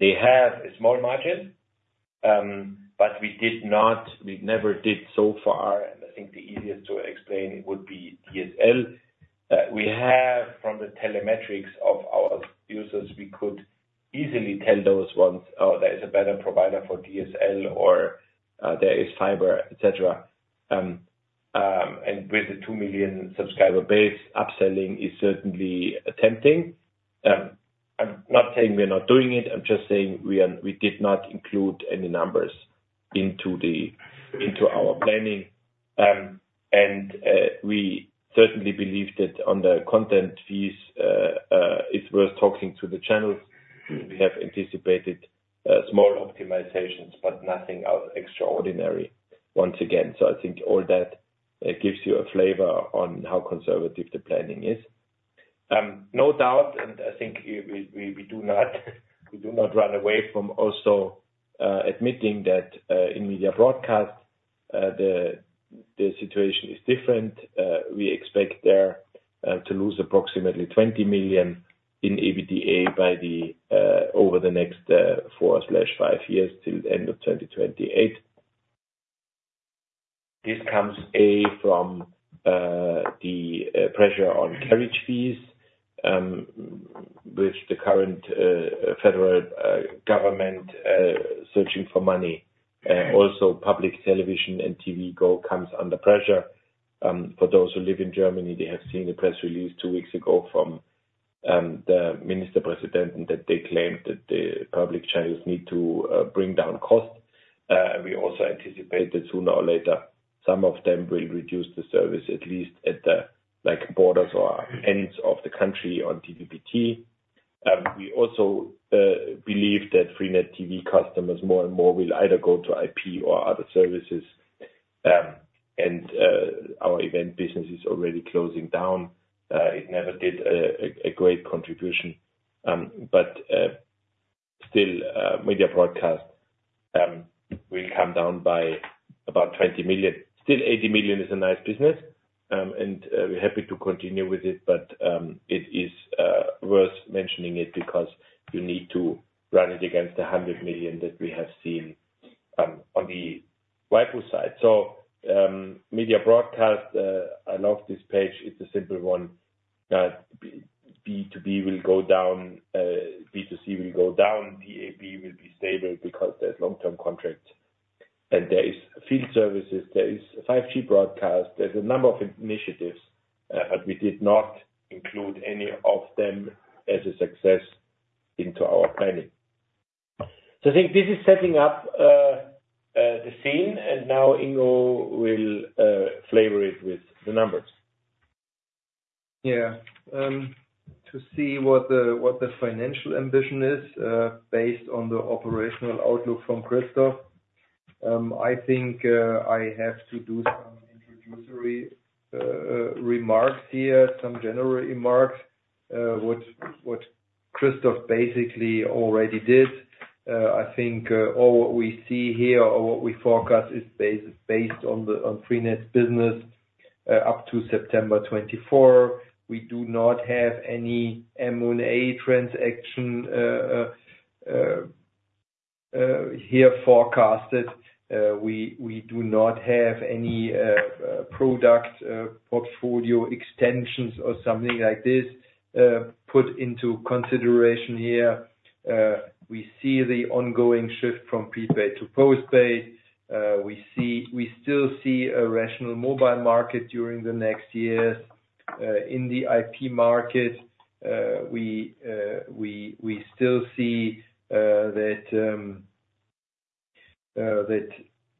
they have a small margin, but we did not. We never did so far. I think the easiest to explain would be the DSL we have from the demographics of our users. We could easily tell those ones oh, there is a better provider for DSL or there is fiber, etc. And with the two million subscriber base, upselling is certainly tempting. I'm not saying we're not doing it. I'm just saying we did not include any numbers into our planning. And we certainly believe that on the content fees it's worth talking to the channels. We have anticipated small optimizations but nothing out of the ordinary once again. So I think all that gives you a flavor on how conservative the planning is. No doubt. And I think we do not run away from also admitting that in Media Broadcast the situation is different. We expect there to lose approximately 20 million in EBITDA over the next four, five years till end of 2028. This comes from the pressure on carriage fees with the current federal government searching for money. Also public television and TV Co comes under pressure for those who live in Germany. They have seen a press release two weeks ago from the Minister President that they claimed that the public channels need to bring down costs. We also anticipate that sooner or later some of them will reduce the service, at least at the borders or ends of the country. On DVB-T. We also believe that Freenet TV customers more and more will either go to IP or other services. And our event business is already closing down. It never did a great contribution, but still Media Broadcast will come down by about 20 million. Still, 80 million is a nice business and we're happy to continue with it. But it is worth mentioning it because you need to run it against 100 million that we have seen on the Waipu.tv side. So Media Broadcast, I love this page. It's a simple one. B2B will go down, B2C will go down. DAB+ will be stable because there's long-term contract and there is field services, there is 5G Broadcast. There's a number of initiatives but we did not include any of them as a success into our planning. So I think this is setting up the scene. Now Ingo will flavor it with the numbers. Yeah. To see what the financial ambition is based on the operational outlook from Christoph, I think I have to do some introductory remarks here, some general remarks. What Christoph basically already did. I think all what we see here or what we forecast is based on Freenet's business up to September 24th. We do not have any M&A transaction here forecasted. We do not have any product portfolio extensions or something like this put into consideration here. We see the ongoing shift from prepaid to postpaid. We still see a rational mobile market during the next years. In the IP market, we still see that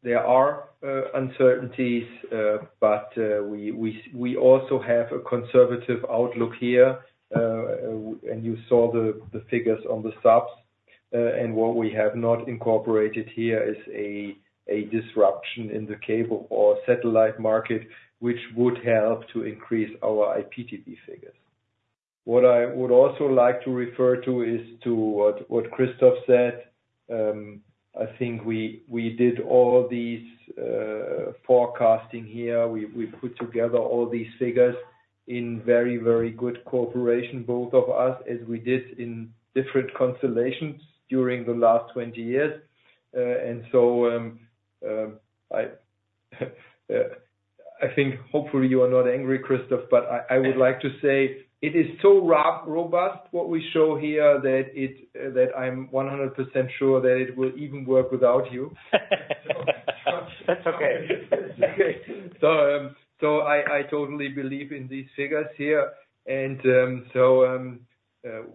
there are uncertainties, but we also have a conservative outlook here. And you saw the figures on the substance, and what we have not incorporated here is a disruption in the cable or satellite market which would help to increase our IPTV figures. What I would also like to refer to is to what Christoph said. I think we did all these forecasting here. We put together all these figures in very, very good cooperation, both of us, as we did in different constellations during the last 20 years. And so I think hopefully you are not angry, Christoph, but I would like to say it is so robust what we show here that I am 100% sure that it will even work without you. That's okay. So I totally believe in these figures here.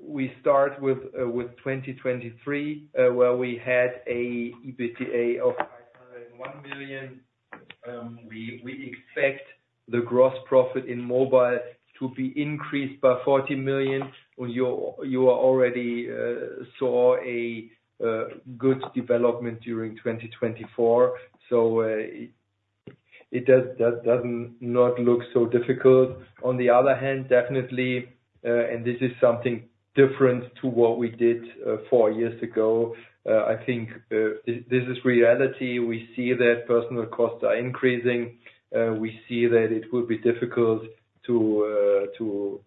We start with 2023, where we had an EBITDA of 501 million. We expect the gross profit in mobile to be increased by 40 million. You already saw a good development during 2024, so it does not look so difficult. On the other hand, definitely, and this is something different to what we did four years ago. I think this is reality. We see that personnel costs are increasing. We see that it will be difficult to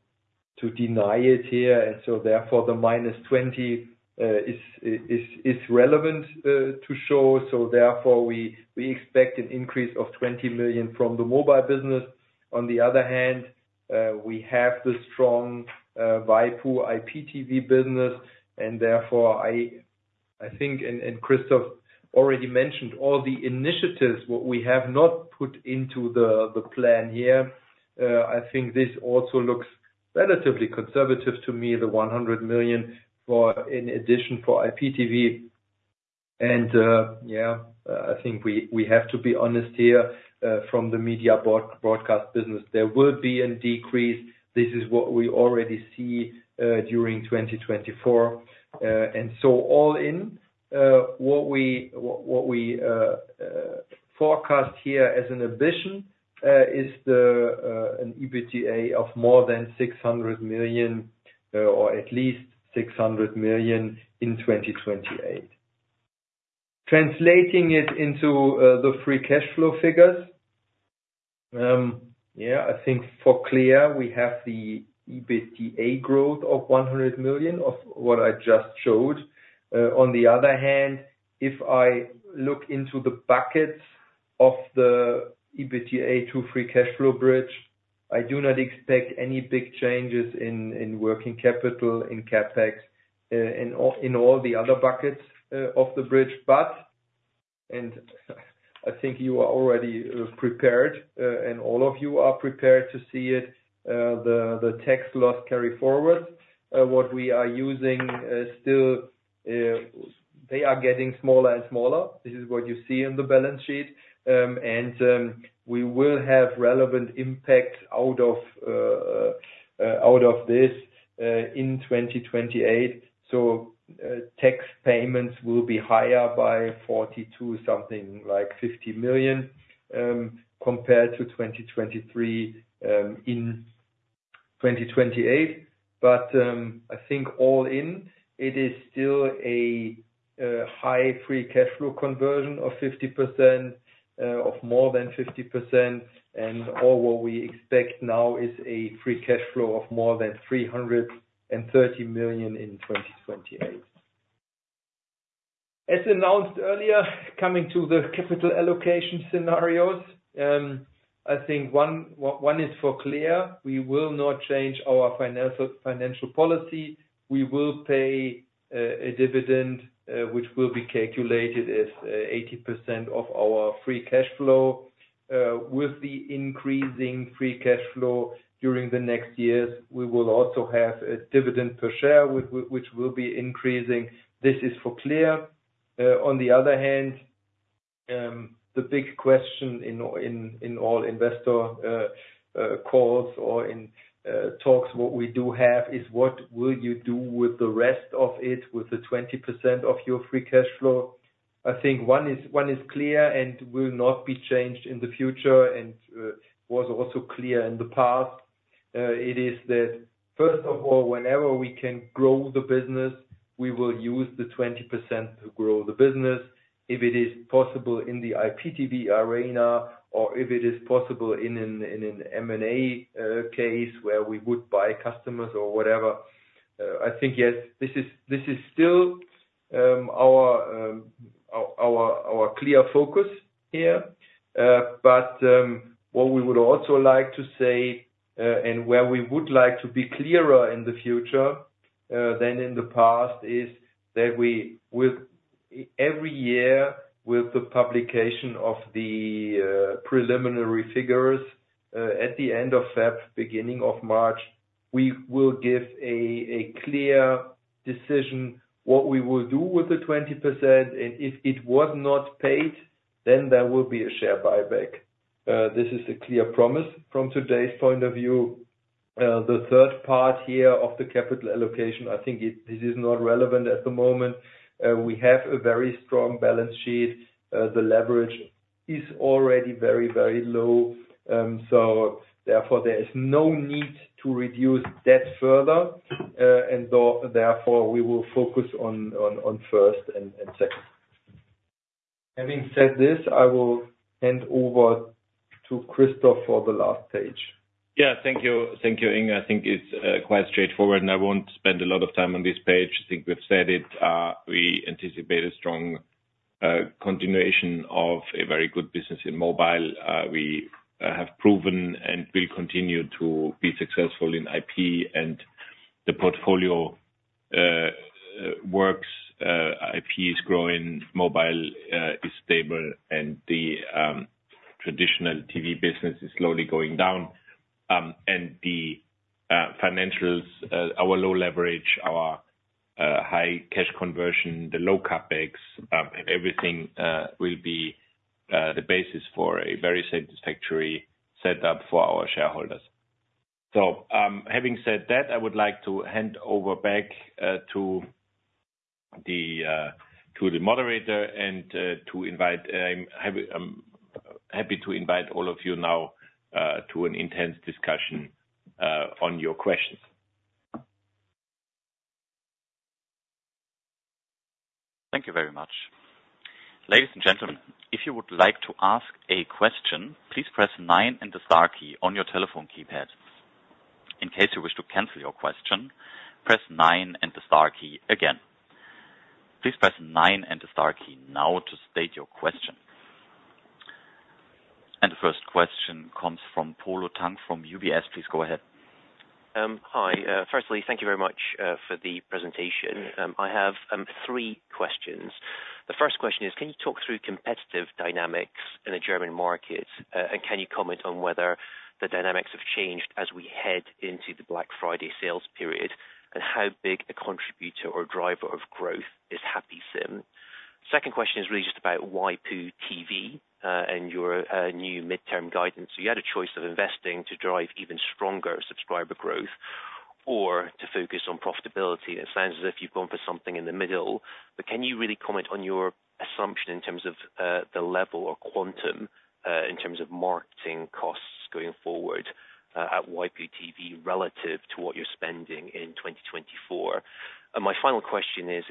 deny it here. And so therefore the minus 20 is relevant to show. So therefore we expect an increase of 20 million from the mobile business. On the other hand, we have the strong Waipu.tv IPTV business. And therefore I think, and Christoph already mentioned all the initiatives what we have not put into the plan here. I think this also looks relatively conservative to me. The 100 million in addition for IPTV. Yeah, I think we have to be honest here. From the Media Broadcast business, there will be a decrease. This is what we already see during 2024. All in, what we forecast here as ambition is an EBITDA of more than 600 million or at least 600 million in 2028, translating it into the free cash flow figures. Yeah, I think for clarity we have the EBITDA growth of 100 million of what I just showed. On the other hand, if I look into the buckets of the EBITDA to free cash flow bridge, I do not expect any big changes in working capital in CapEx in all the other buckets of the bridge. But and I think you are already prepared and all of you are prepared to see it, the tax loss carryforwards what we are using still they are getting smaller and smaller. This is what you see in the balance sheet and we will have relevant impact out of this in 2028. So tax payments will be higher by 42 something like 50 million compared to 2023 in 2028. But I think all in it is still a high free cash flow conversion of 50% of more than 50% and all what we expect now is a free cash flow of more than 330 million in 2028 as announced earlier. Coming to the capital allocation scenarios, I think one is for clear. We will not change our financial policy. We will pay a dividend which will be calculated as 80% of our free cash flow. With the increasing free cash flow during the next years we will also have a dividend per share which will be increasing. This is for sure. On the other hand, the big question in all investor calls or in talks, what we do have is what will you do with the rest of it with the 20% of your free cash flow? I think one is clear and will not be changed in the future and was also clear in the past. It is that first of all, whenever we can grow the business, we will use the 20% to grow the business if it is possible in the IPTV arena or if it is possible in an M&A case where we would buy customers or whatever. I think yes, this is still our clear focus here. But what we would also like to say and where we would like to be clearer in the future than in the past is that we with every year with the publication of the preliminary figures at the end of February, beginning of March, we will give a clear decision what we will do with the 20% and if it was not paid then there will be a share buyback. This is a clear promise from today's point of view. The third part here of the capital allocation, I think this is not relevant at the moment. We have a very strong balance sheet. The leverage is already very, very low. So therefore there is no need to reduce debt further and therefore we will focus on first and second and second. Having said this, I will hand over to Christoph for the last page. Yeah. Thank you. Thank you, Ingo. I think it's quite straightforward, and I won't spend a lot of time on this page. I think we've said it. We anticipate a strong continuation of a very good business in mobile. We have proven and will continue to be successful in IP, and the portfolio works. IP is growing, mobile is stable, and the traditional TV business is slowly going down, and the financials, our low leverage, our high cash conversion, the low CapEx, and everything will be the basis for a very satisfactory setup for our shareholders, so having said that, I would like to hand over back to the moderator and to invite. I'm happy to invite all of you now to an intense discussion on your questions. Thank you very much, ladies and gentlemen. If you would like to ask a question, please press 9 and the star key on your telephone keypad. In case you wish to cancel your question, press 9 and the star key again. Please press 9 and the star key now to state your question, and the first question comes from Polo Tang from UBS. Please go ahead. Hi. Firstly, thank you very much for the presentation. I have three questions. The first question is can you talk through competitive dynamics in the German market? And can you comment on whether the dynamics have changed as we head into the Black Friday sales period and how big a contributor or driver of growth is happy SIM. Second question is really just about Waipu.tv and your new midterm guidance. So you had a choice of investing to drive even stronger subscriber growth or to focus on profitability. It sounds as if you've gone for something in the middle, but can you really comment on your assumption in terms of the level or quantum in terms of marketing costs going forward at Waipu.tv relative to what you're spending in 2024? My final question is,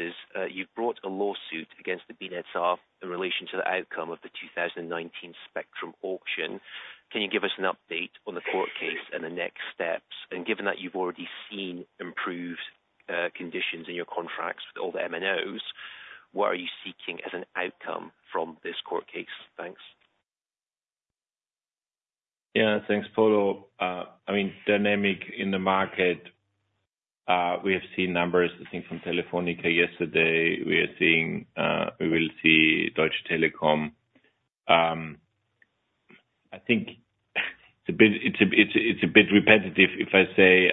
you've brought a lawsuit against the BNetzA in relation to the outcome of the 2019 spectrum auction. Can you give us an update on the court case and the next steps, and given that you've already seen improved conditions in your contracts with all the MNOs, what are you seeking as an outcome from this court case? Thanks. Yeah, thanks, Polo. I mean, dynamic in the market. We have seen numbers, I think from Telefónica yesterday, we are seeing. We will see Deutsche Telekom. I think it's a bit repetitive if I say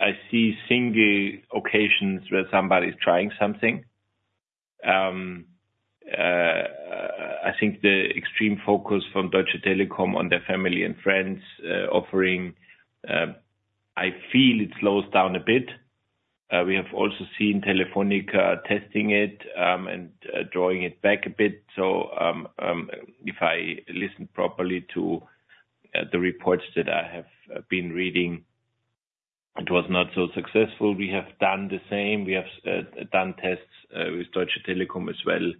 I see single occasions where somebody's trying something. I think the extreme focus from Deutsche Telekom on their family and friends offering, I feel it slows down a bit. We have also seen Telefónica testing it and drawing it back a bit. So if I listen properly to the reports that I have been reading it was not so successful. We have done the same. We have done tests with Deutsche Telekom as well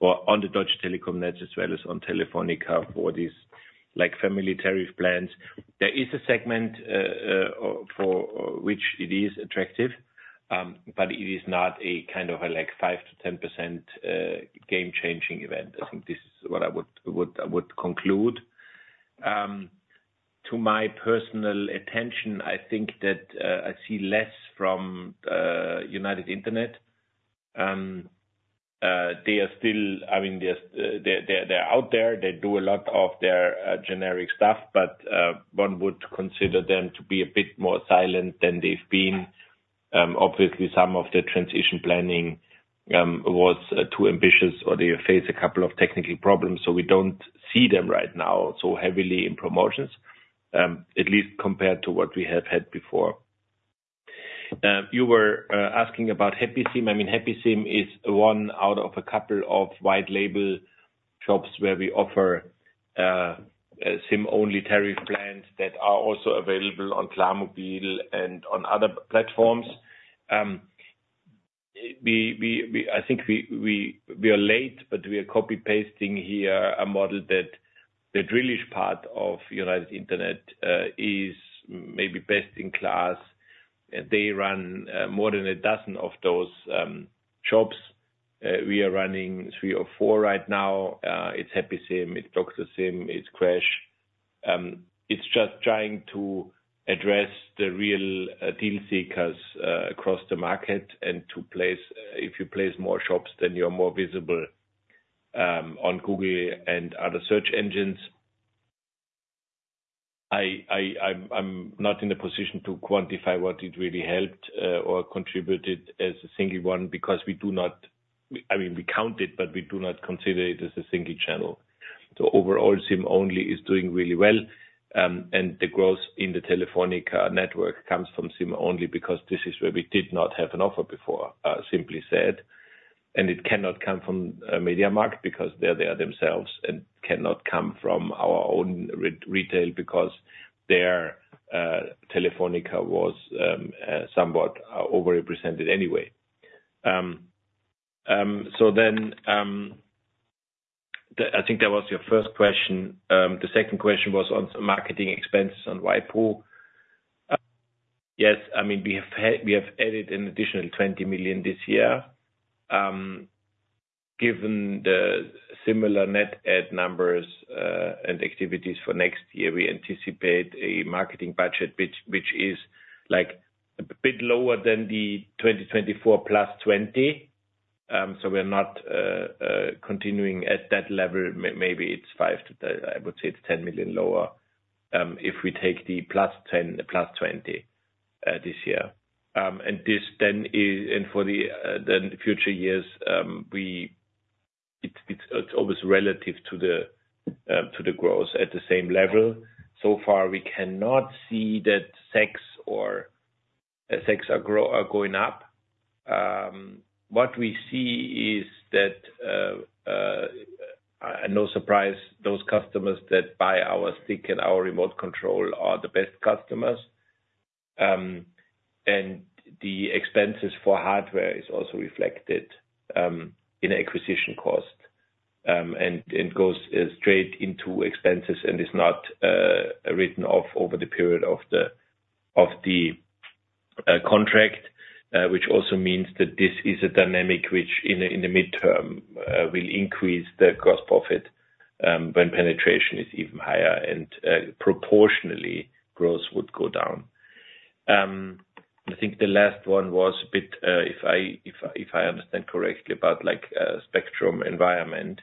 or on the Deutsche Telekom nets as well as on Telefónica. For these like family tariff plans there is a segment for which it is attractive but it is not a kind of like 5%-10% game changing event. I think this is what I would conclude to my personal attention. I think that I see less from United Internet. They are still. I mean they're out there, they do a lot of their generic stuff but one would consider them to be a bit more silent than they've been. Obviously some of the transition planning was too ambitious or they face a couple of technical problems. So we don't see them right now so heavily in promotions at least compared to what we have had before. You were asking about happy SIM. I mean happy SIM is one out of a couple of white label shops where we offer SIM-only tariff plans that are also available on Freenet mobile and on other platforms. I think we are late but we are copy pasting here a model that the Drillisch part of United Internet is maybe best in class. They run more than a dozen of those shops. We are running three or four right now. It's happy SIM, it's Dr. SIM, it's crash. It's just trying to address the real deal seekers across the market and to place. If you place more shops then you're more visible on Google and other search engines. I'm not in a position to quantify what it really helped or contributed as a single one because we do not, I mean we count it but we do not consider it as a single channel. So overall SIM-only is doing really well and the growth in the Telefónica network comes from SIM-only because this is where we did not have an offer before. Simply said. It cannot come from MediaMarkt because they're there themselves and cannot come from our own retail because Telefónica was somewhat overrepresented anyway. So then I think that was your first question. The second question was on marketing expenses on Waipu.tv. Yes, I mean we have added an additional 20 million this year. Given the similar net add numbers and activities for next year we anticipate a marketing budget which is like a bit lower than the 2024 +20. So we're not continuing at that level. Maybe it's five to. I would say it's 10 million lower. If we take the +10, the +20 this year and this then and for the future years, it's always relative to the growth at the same level so far. We cannot see that ARPU or ARPU are going up. What we see is that no surprise those customers that buy our stick and our remote control are the best customers, and the expenses for hardware is also reflected in acquisition cost and it goes straight into expenses and is not written off over the period of the contract. Which also means that this is a dynamic which in the midterm will increase the gross profit when penetration is even higher and proportionally growth would go down. I think the last one was a bit if I understand correctly about like spectrum environment.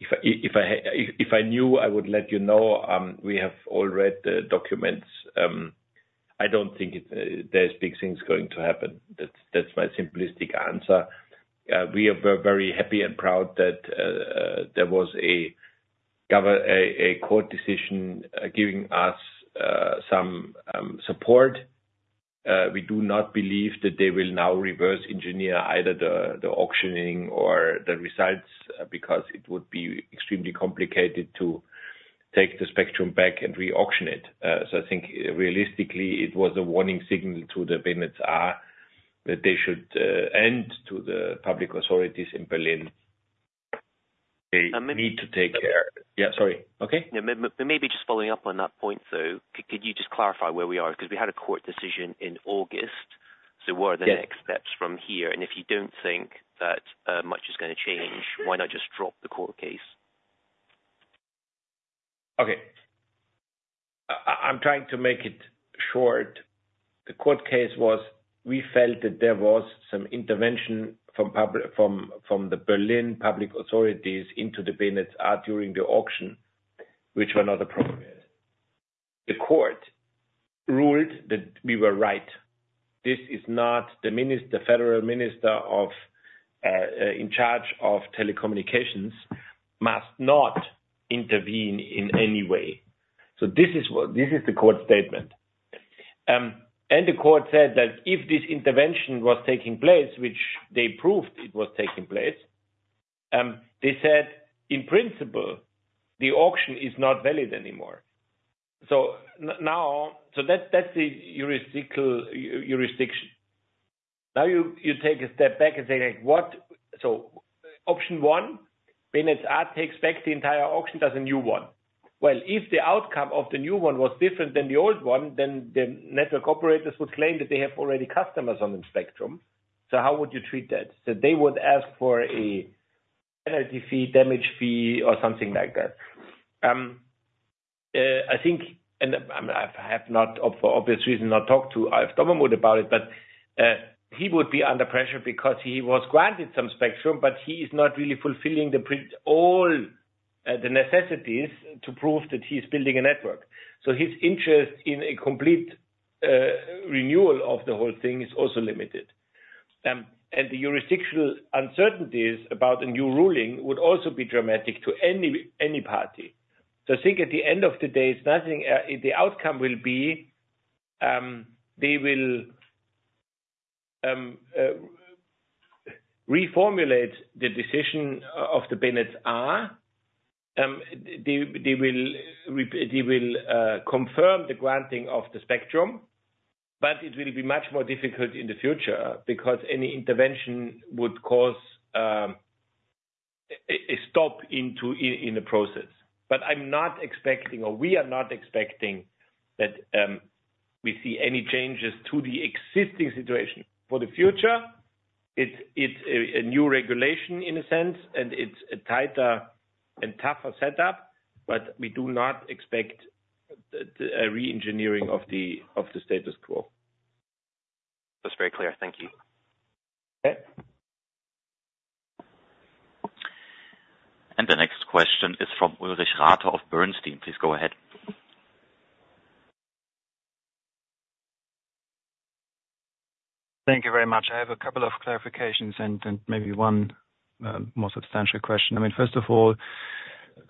If I knew I would let you know. We have all read the documents. I don't think there's big things going to happen. That's my simplistic answer. We're very happy and proud that there was a court decision giving us some support. We do not believe that they will now reverse engineer either the auctioning or the results because it would be extremely complicated to take the spectrum back and re-auction it. So I think realistically it was a warning signal to the BNetzA that they should attend to. The public authorities in Berlin need to take care. Yeah, sorry. Okay. Maybe just following up on that point though. Could you just clarify where we are? Because we had a court decision in August. So what are the next steps from here? And if you don't think that much is going to change, why not just drop the court case? Okay, I'm trying to make it short. The court case was. We felt that there was some intervention from the Berlin public authorities into the BNetzA during the auction which were not appropriate. The court ruled that we were right. This is not. The Federal Minister in charge of telecommunications must not intervene in any way. So this is the court statement. And. The court said that if this intervention was taking place, which they proved it was taking place, they said in principle the auction is not valid anymore. So now. So that's the jurisdiction. Now you take a step back and say what? So option one BNetzA takes back the entire auction, does a new one? Well, if the outcome of the new one was different than the old one, then the network operators would claim that they have already customers. So how would you treat that? So they would ask for a defeat damage fee or something like that. I. think, and I have not, for obvious reasons, not talked to him about it, but he would be under pressure because he was granted some spectrum, but he is not really fulfilling all the necessities to prove that he is building a network, so his interest in a complete renewal of the whole thing is also limited, and the jurisdictional uncertainties about a new ruling would also be dramatic to any party, so I think at the end of the day the outcome will be they. Will. Reformulate the decision of the BNetzA. R. They will confirm the granting of the spectrum, but it will be much more difficult in the future because any intervention would cause a stop in the process. But I'm not expecting, or we are not expecting that we see any changes to the existing situation for the future. It's a new regulation in a sense and it's a tighter and tougher setup. But we do not expect a re-engineering of the status quo. That's very clear. Thank you. Okay. The next question is from Ulrich Rathe of Bernstein. Please go ahead. Thank you very much. I have a couple of clarifications and maybe one more substantial question. I mean first of all,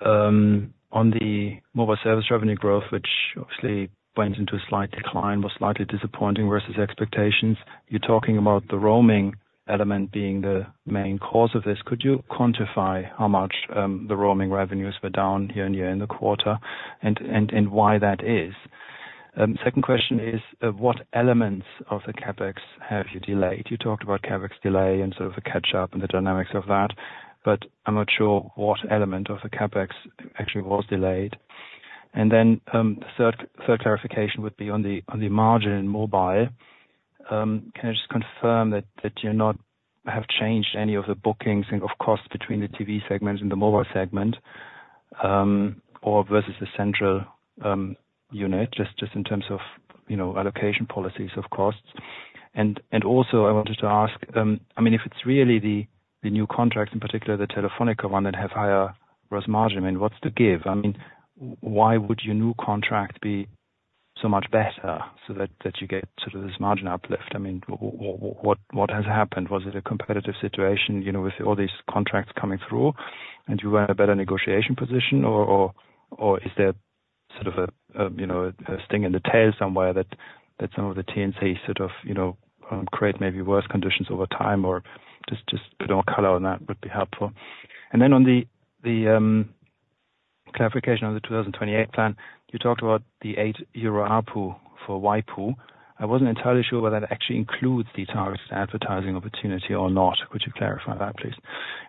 on the mobile service revenue growth, which obviously went into a slight decline, was slightly disappointing versus expectations. You're talking about the roaming element being the main cause of this. Could you quantify how much the roaming revenues were down here and here in the quarter and why that is? Second question is what elements of the CapEx have you delayed? You talked about CapEx delay and sort of the catch up and the dynamics of that, but I'm not sure what element of the CapEx actually was delayed. And then the third clarification would be on the margin in mobile. Can I just confirm that you have not changed any of the bookings of cost between the TV segments and the mobile segment or versus the central unit just in terms of, you know, allocation policies of costs? And also I wanted to ask, I mean if it's really the, the new contracts, in particular the Telefónica one that have higher gross margin. I mean, what's the give? I mean why would your new contract be so much better so that you get sort of this margin uplift? I mean, what has happened? Was it a competitive situation, you know, with all these contracts coming through and you were in a better negotiation position? Or is there sort of a you? No, a sting in the tail somewhere that some of the T&Cs sort of, you know, create maybe worse conditions over time or just put more color on? That would be helpful. Then, on the clarification of the 2028 plan, you talked about the 8 euro. ARPU for Waipu.tv. I wasn't entirely sure whether that actually includes the target advertising opportunity or not. Could you clarify that, please?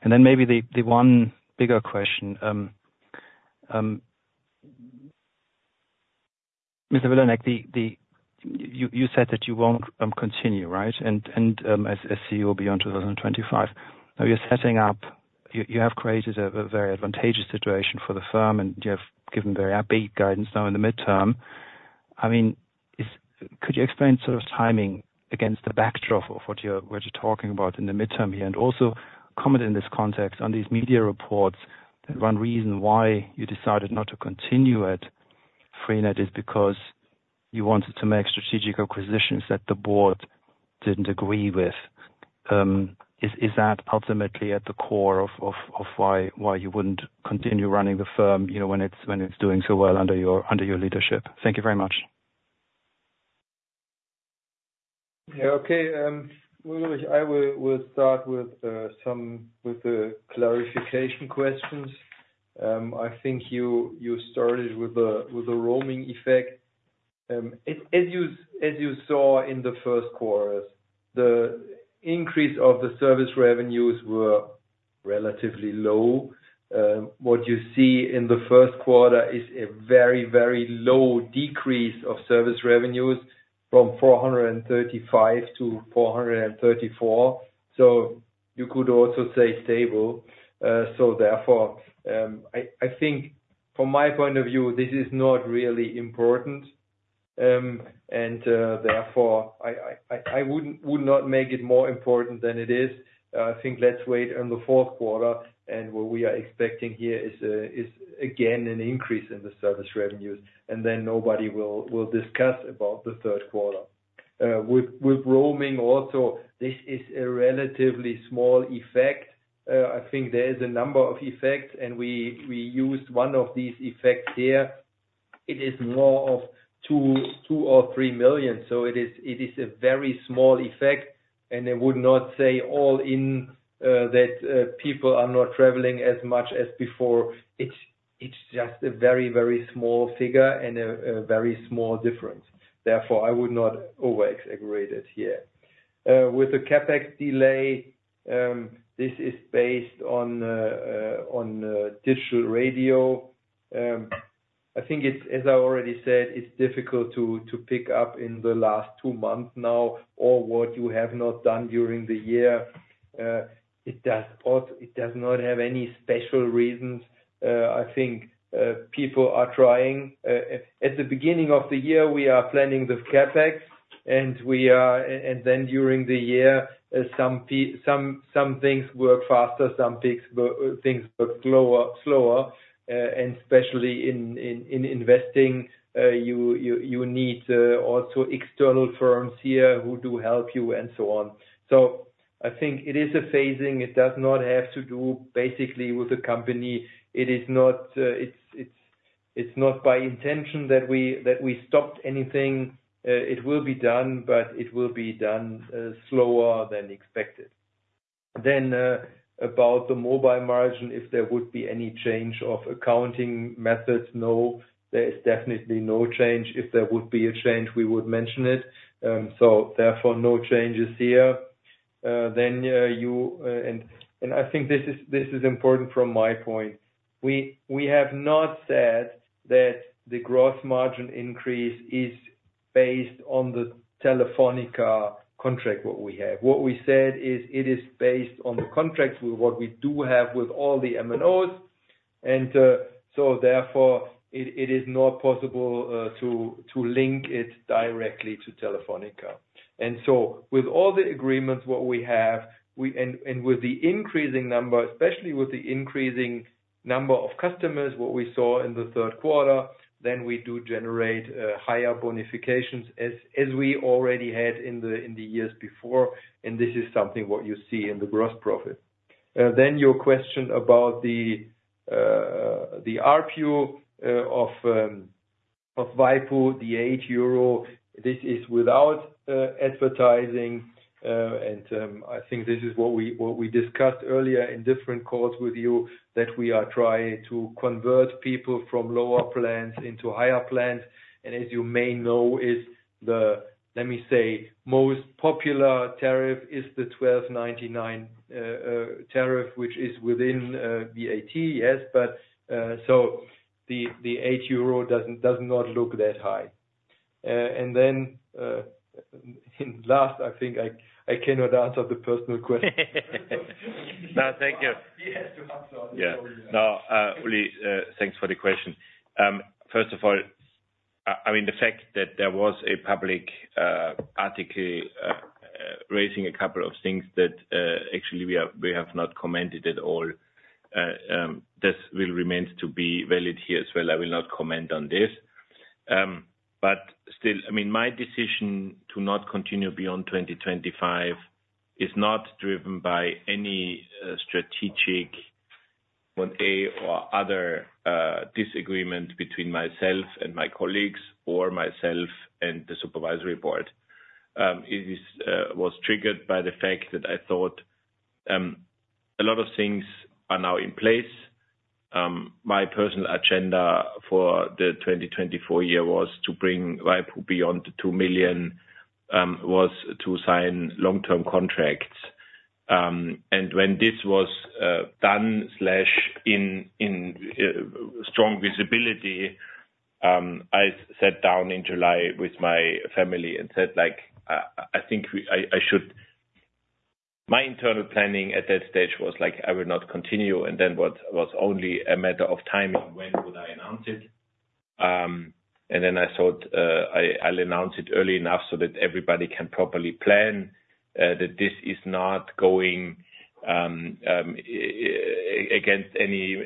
And then maybe the one bigger question, Mr. Vilanek, you said that you won't continue, right? And as CEO beyond 2025, now you're setting up, you have created a very advantageous situation for the firm and you have given very upbeat guidance now in the midterm. I mean, could you explain sort of timing against the backdrop of what you're talking about in the midterm here and also comment in this context on these media reports that one reason why you decided not to continue at Freenet is because you wanted to make strategic acquisitions that the board didn't agree with. Is that ultimately at the core of why you wouldn't continue running the firm when it's doing so well under your leadership? Thank you very much. Okay, I will start with some clarification questions. I think you started with the roaming effect. As you saw in the first quarter, the increase of the service revenues were relatively low. What you see in the first quarter is a very, very low decrease of service revenues from 435 to 434. So you could also say stable. So therefore, I think from my point of view, this is not really important and therefore I would not make it more important than it is. I think. Let's wait in the fourth quarter, and what we are expecting here is again an increase in the service revenues, and then nobody will discuss about the third quarter with roaming. Also, this is a relatively small effect. I think there is a number of effects, and we used one of these effects here. It is more of EUR two or three million. So it is a very small effect. And it would not say all in that people are not traveling as much as before. It's just a very, very small figure and a very small difference. Therefore, I would not over exaggerate it here with the CapEx delay. This is based on digital radio. I think it's, as I already said, it's difficult to pick up in the last two months now or what you have not done during the year. It does not have any special reasons. I think people are trying at the beginning of the year we are planning the CapEx. And then during the year some things work faster, some things work slower. And especially in investing, you need also external firms here who do help you and so on. So I think it is a phasing. It does not have to do basically with the company. It is not, it's not by intention that we stopped anything. It will be done, but it will be done slower than expected. Then about the mobile margin, if there would be any change of accounting methods. No, there is definitely no change. If there would be a change, we would mention it. So therefore no changes here. Then you and, and I think this is important from my point, we have not said that the gross margin increase is based on the Telefónica contract. What we have, what we said is it is based on the contracts what we do have with all the MNOs. And so therefore it is not possible to link it directly to Telefónica. And so with all the agreements what we have, and with the increasing number, especially with the increasing number of customers, what we saw in the third quarter, then we do generate higher bonifications as we already had in the years before. And this is something, what you see in the gross profit. Then your question about the ARPU of, of Waipu.tv, the 8 euro, this is without advertising and I think this is what we discussed earlier in different calls with you that we are trying to convert people from lower plans into higher plans. As you may know, let me say the most popular tariff is the 12.99 tariff, which is within VAT. Yes, but so the 8 euro does not look that high. Then last, I think I cannot answer the personal question. No. Thank you, Uli, thanks for the question. First of all, I mean the fact that there was a public article raising a couple of things that actually we have not commented at all. This will remain to be valid here as well. I will not comment on this. But still, I mean, my decision to not continue beyond 2025 is not driven by any strategic issue or other disagreement between myself and my colleagues or myself and the supervisory board, was triggered by the fact that I thought a lot of things are now in place. My personal agenda for the 2024 year was to bring Waipu.tv beyond 2 million, was to sign long term contracts. And when this was done in strong visibility, I sat down in July with my family and said I think I should. My internal planning at that stage was like I will not continue. And then what was only a matter of timing, when would I announce it? And then I thought I'll announce it early enough so that everybody can properly plan that this is not going against any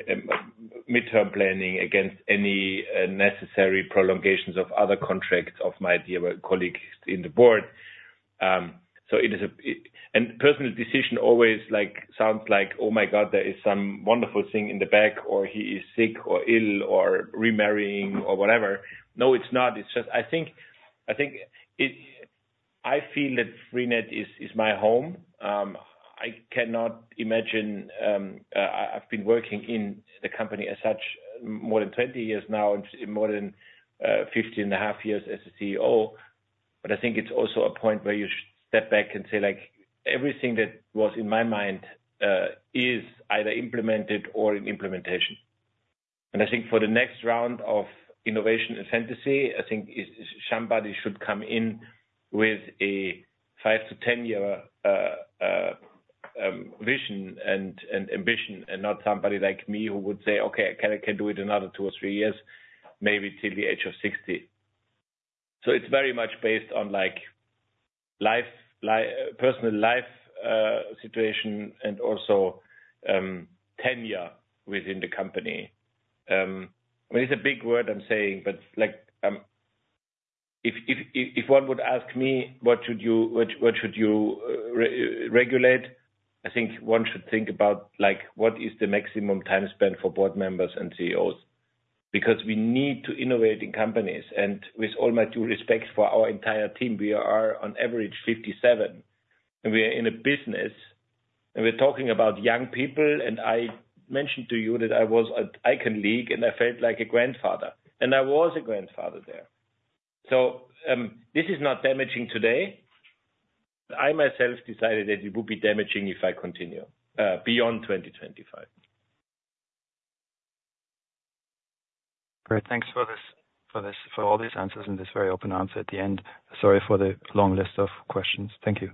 midterm planning, against any necessary prolongations of other contracts of my dear colleagues in the board. So it is a personal decision always like sounds like, oh my God, there is some wonderful thing in the back or he is sick or ill or remarrying or whatever. No, it's not. It's just, I think I feel that Freenet is my home. I cannot imagine I've been working in the company as such more than 20 years now, more than 50 and a half years as a CEO. But I think it's also a point where you should step back and say like, everything that was in my mind is either implemented or in implementation. I think for the next round of innovation and fantasy, I think somebody should come in with a 5- to 10-year vision and ambition and not somebody like me who would say, okay, I can do it another two or three years, maybe till the age of 60, so it's very much based on like personal life situation and also tenure within the company. It's a big word I'm saying, but like if one would ask me, what should you regulate? I think one should think about like, what is the maximum time spent for board members and CEOs because we need to innovate in companies, and with all my due respect for our entire team, we are on average 57 and we are in a business and we're talking about young people. I mentioned to you that I was at Icon League and I felt like a grandfather and I was a grandfather there. This is not damaging today. I myself decided that it would be damaging if I continue beyond 2025. Great, thanks for this, for all these answers and this very open answer at the end. Sorry for the long list of questions. Thank you.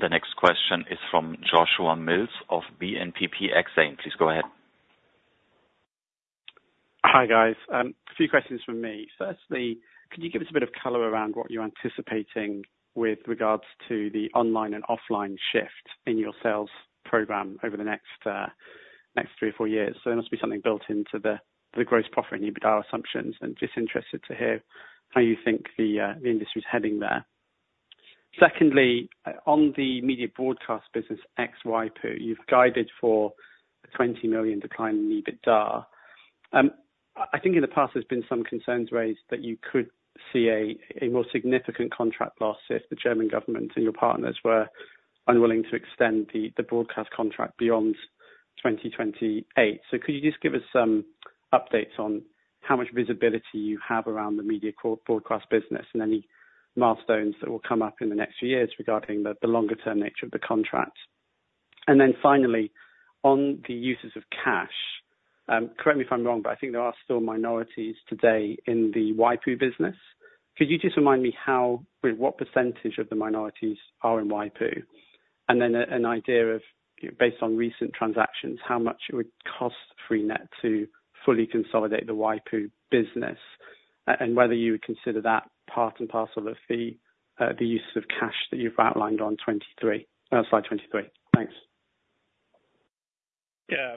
The next question is from Joshua Mills of BNPP Exane. Please go ahead. Hi guys, a few questions from me. Firstly, could you give us a bit of color around what you're anticipating with regards to the online and offline shift in your sales program over the next three or four years? So there must be something built into the gross profit and EBITDA assumptions, and just interested to hear how you think the industry is heading there. Secondly, on the Media Broadcast business, Waipu.tv, you've guided for a 20 million decline in EBITDA. I think in the past there's been some concerns raised that you could see a more significant contract loss if the German government and your partners were unwilling to extend the broadcast contract beyond 2028. Could you just give us some updates on how much visibility you have around the Media Broadcast business and any milestones that will come up in the next few years regarding the longer term nature of the contract. Finally, on the uses of cash. Correct me if I'm wrong, but I think there are still minorities today in the Waipu.tv business. Could you just remind me how what percentage of the minorities are in Waipu.tv and then an idea of based on recent transactions how much it would cost Freenet to fully consolidate the Waipu.tv business and whether you would consider that part and parcel of the use of cash that you've outlined. On Slide 23, thanks. Yeah,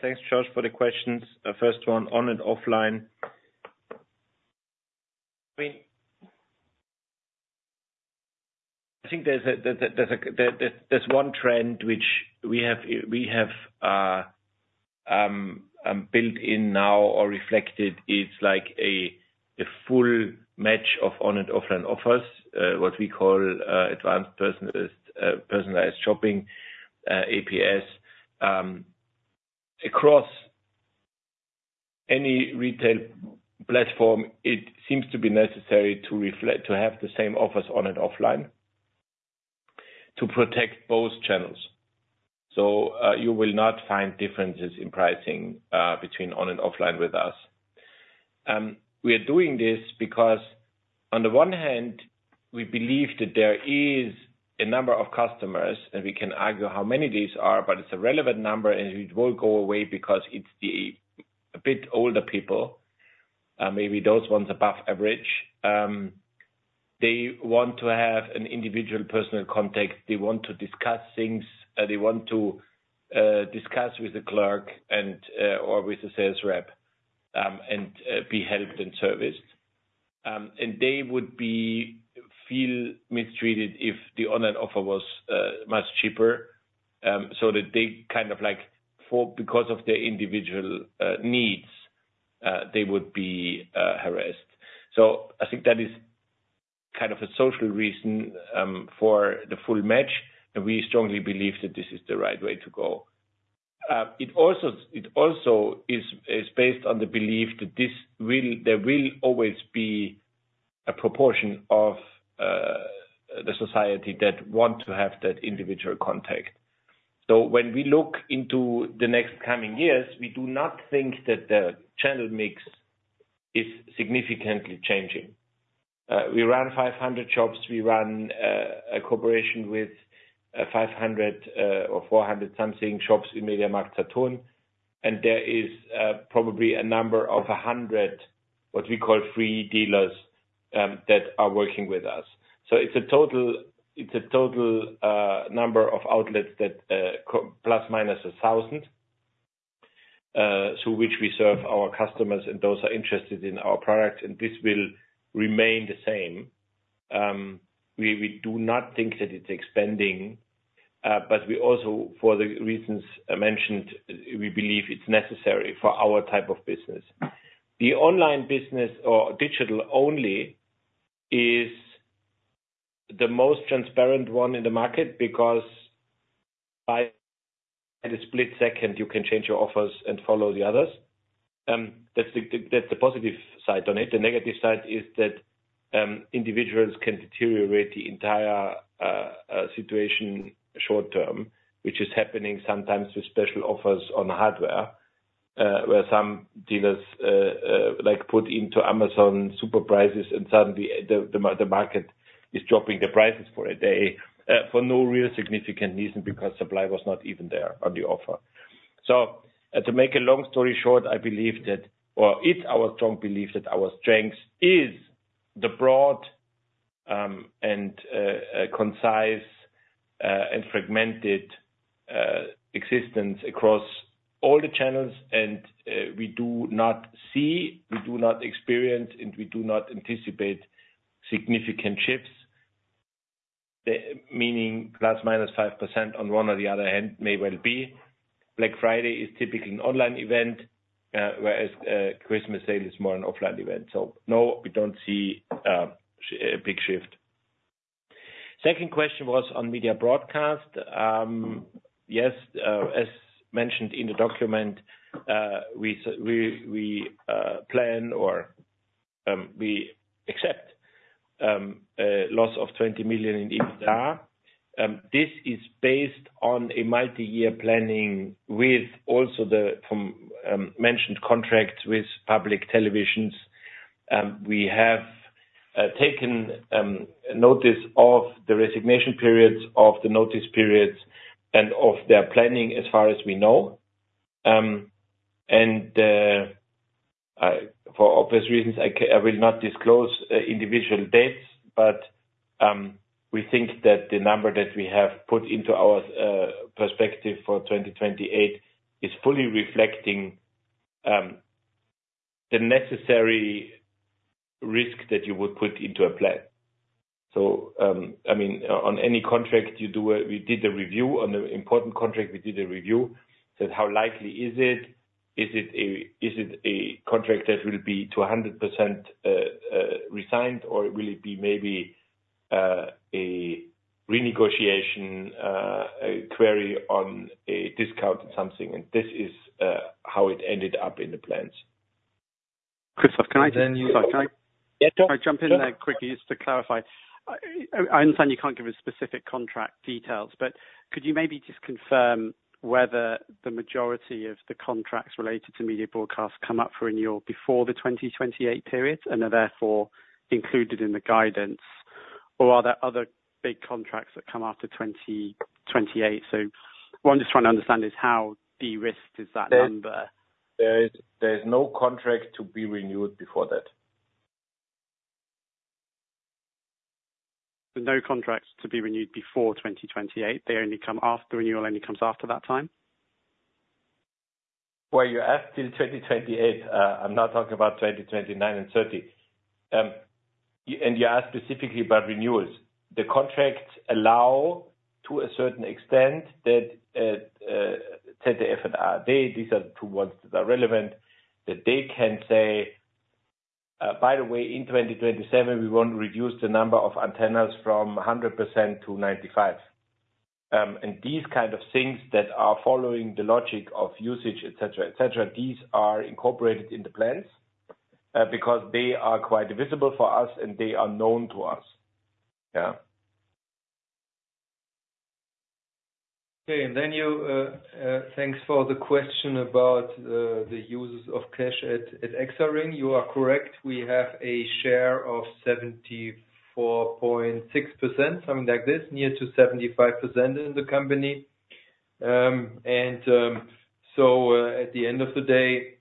thanks Josh for the questions. First one, on and offline. I mean I think there's one trend which we have built in now or reflected. It's like a full match of on and offline offers. What we call Advanced Personalized Shopping APS across any retail platform. It seems to be necessary to reflect to have the same offers on and offline to protect both channels. So you will not find differences in pricing between on and offline. We are doing this because, on the one hand, we believe that there is a number of customers, and we can argue how many these are, but it's a relevant number, and it won't go away because it's a bit older people, maybe those ones above average. They want to have an individual personal contact, they want to discuss things, they want to discuss with the clerk or with the sales rep and be helped and serviced, and they would feel mistreated if the online offer was much cheaper so that they kind of like, because of their individual needs, they would be harassed. So I think that is kind of a social reason for the full match, and we strongly believe that this is the right way to go. It also is based on the belief that there will always be a proportion of the society that want to have that individual contact. So when we look into the next coming years we do not think that the channel mix is significantly changing. We run 500 shops, we run a cooperation with 500 or 400-something shops in MediaMarkt and there is probably a number of 100 what we call free dealers that are working with us. So it's a total number of outlets that plus or minus 1,000 through which we serve our customers and those are interested in our product and this will remain the same. We do not think that it's expanding but we also for the reasons mentioned, we believe it's necessary for our type of business. The online business or digital only is the most transparent one in the market because by the split second you can change your offers and follow the others. That's the positive side on it. The negative side is that individuals can deteriorate the entire situation short term which is happening sometimes with special offers on hardware where some dealers like put into Amazon super prices and suddenly the market is dropping the prices for a day for no real significant reason because supply was not even there on the offer. So to make a long story short, I believe that or it's our strong belief that our strength is the broad and concise and fragmented existence across all the channels, and we do not see, we do not experience and we do not anticipate significant shifts. Meaning, plus or minus 5% on one or the other hand, may well be. Black Friday is typically an online event, whereas Christmas sale is more an offline event. So no, we don't see a big shift. Second question was on Media Broadcast. Yes, as mentioned in the document, we plan or we accept loss of 20 million in EBITDA. This is based on a multi-year planning with also the mentioned contracts with public televisions. We have taken notice of the resignation periods, of the notice periods and of their planning as far as we know. And. For obvious reasons I will not disclose individual dates, but we think that the number that we have put into our perspective for 2028 is fully reflecting the necessary risk that you would put into a plan. So I mean on any contract you do we did the review on an important contract said how likely is it, is it a contract that will be to 100% re-signed or will it be maybe a renegotiation query on a discount or something and this is how it ended up in the plans. Christoph, can I jump in there quickly just to clarify? I understand you can't give us specific contract details, but could you maybe just confirm whether the majority of the contracts related to Media Broadcasts come up for renewal before the 2028 period and are therefore included in the guidance? Or are there other big contracts that come after 2028? So what I'm just trying to understand is how de-risked is that number? There is no contract to be renewed before that. No contracts to be renewed before 2028. They only come after the renewal only comes after that time. Where you're at till 2028. I'm not talking about 2029 and 2030. And you asked specifically about renewals. The contracts allow to a certain extent that ZDF and ARD. These are the two ones that are relevant that they can say by the way, in 2027 we want to reduce the number of antennas from 100% to 95% and these kind of things that are following the logic of usage etc etc. These are incorporated in the plans because they are quite visible for us and they are known to us. Okay, and then, thank you for the question about the uses of cash at Exaring. You are correct, we have a share of 74.6%, something like this, near to 75% in the company. And so at the end of the day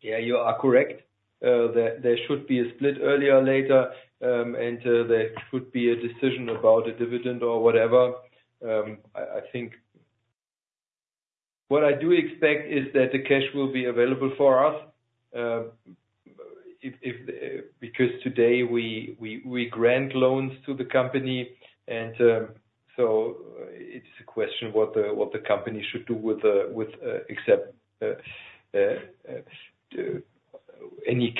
you are correct, there should be a split earlier, later and there could be a decision about a dividend or whatever. I think. What I do expect is that the cash will be available for us because today we grant loans to the company, and so it's a question what the company should do with excess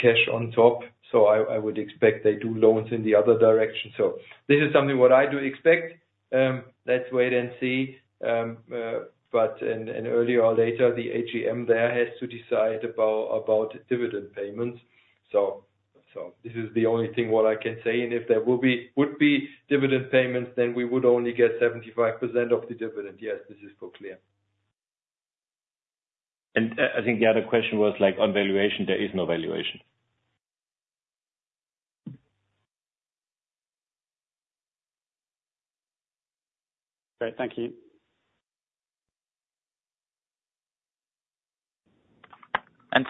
cash on top, so I would expect they do loans in the other direction, so this is something what I do expect. Let's wait and see, but sooner or later the AGM there has to decide about dividend payments, so this is the only thing what I can say, and if there would be dividend payments then we would only get 75% of the dividend. Yes, this is for sure. I think the other question was like on valuation. There is no valuation. Great, thank you.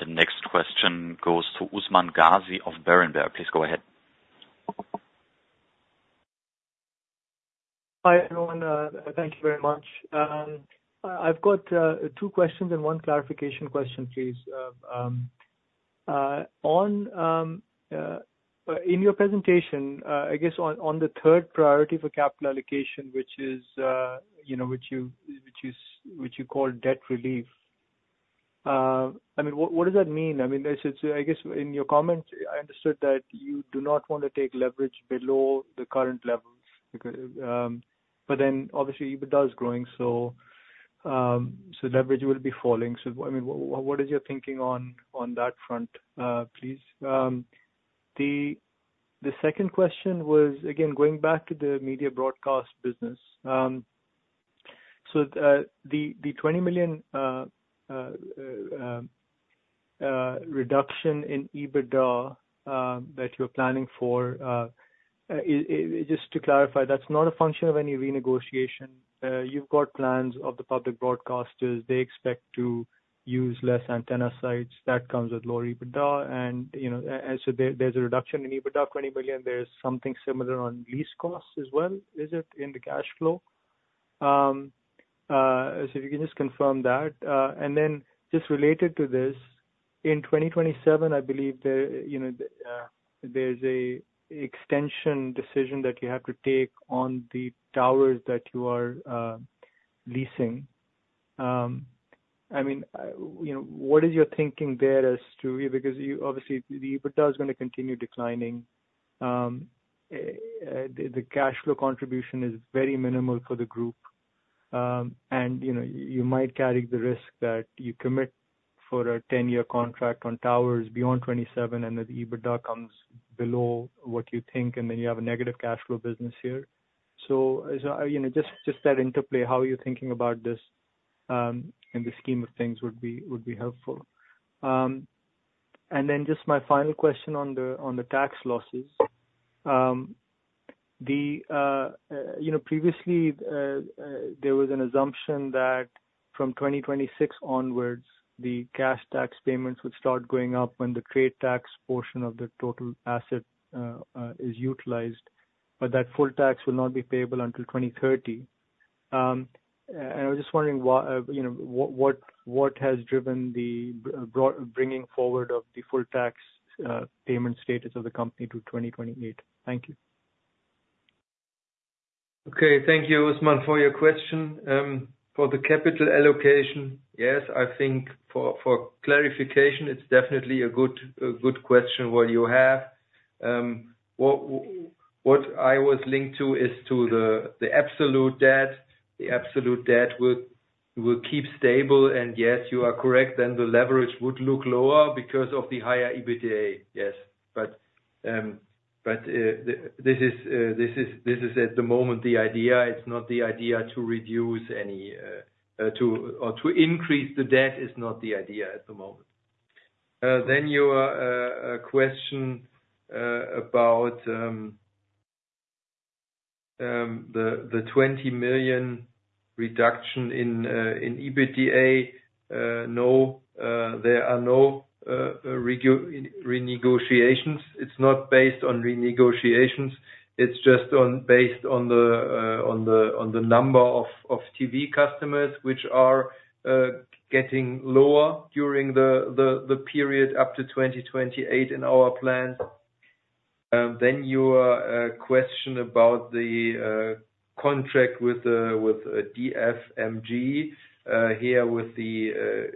The next question goes to Usman Ghazi of Berenberg. Please go ahead. Hi everyone. Thank you very much. I've got two questions and one clarification question please. One, in your presentation, I guess on the third priority for capital allocation, which is, you know, which you call debt relief. I mean what does that mean? I mean, I guess in your comments I understood that you do not want to take leverage below the current level. But then obviously EBITDA is growing so leverage will be falling. So I mean what is your thinking on that front, please? The second question was again going back to the Media Broadcast business. So the EUR 20 million reduction in EBITDA that you're planning for, just to clarify, that's not a function of any renegotiation. You've got plans of the public broadcasters, they expect to use less antenna sites. That comes with lower EBITDA and you know there's a reduction in EBITDA 20 million. There's something similar on lease costs as well. Is it in the cash flow? So if you can just confirm that and then just related to this, in 2027, I believe there's an extension decision that you have to take on the towers that you are leasing. I mean you know, what is your thinking there as to. Because you obviously. But that is going to continue declining. The cash flow contribution is very minimal for the group. And you know you might carry the risk that you commit for a 10 year contract on towers beyond 27 and that EBITDA comes below what you think and then you have a negative cash flow business here. So you know, just, just that interplay, how are you thinking about this in the scheme of things would be, would be helpful. And then just my final question on the tax losses. You know, previously there was an assumption that from 2026 onwards the cash tax payments would start going up when the trade tax portion of the total asset is utilized. But that full tax will not be payable until 2030. And I was just wondering what has driven the bringing forward of the full tax payment status of the company to 2028. Thank you. Okay, thank you, Usman, for your question for the capital allocation. Yes, I think for clarification. It's definitely a good question. What you have, what I was linked to is to the absolute debt. The absolute debt would keep stable and yes, you are correct. Then the leverage would look lower because of the higher EBITDA. Yes, but this is at the moment the idea. It's not the idea to reduce any or to increase the debt. It's not the idea at the moment. Then your question about the 20 million reduction in EBITDA. No, there are no renegotiations. It's not based on renegotiations. It's just based on the number of TV customers which are getting lower during the period up to 2028 in our plans. Then your question about the contract with DFMG here with the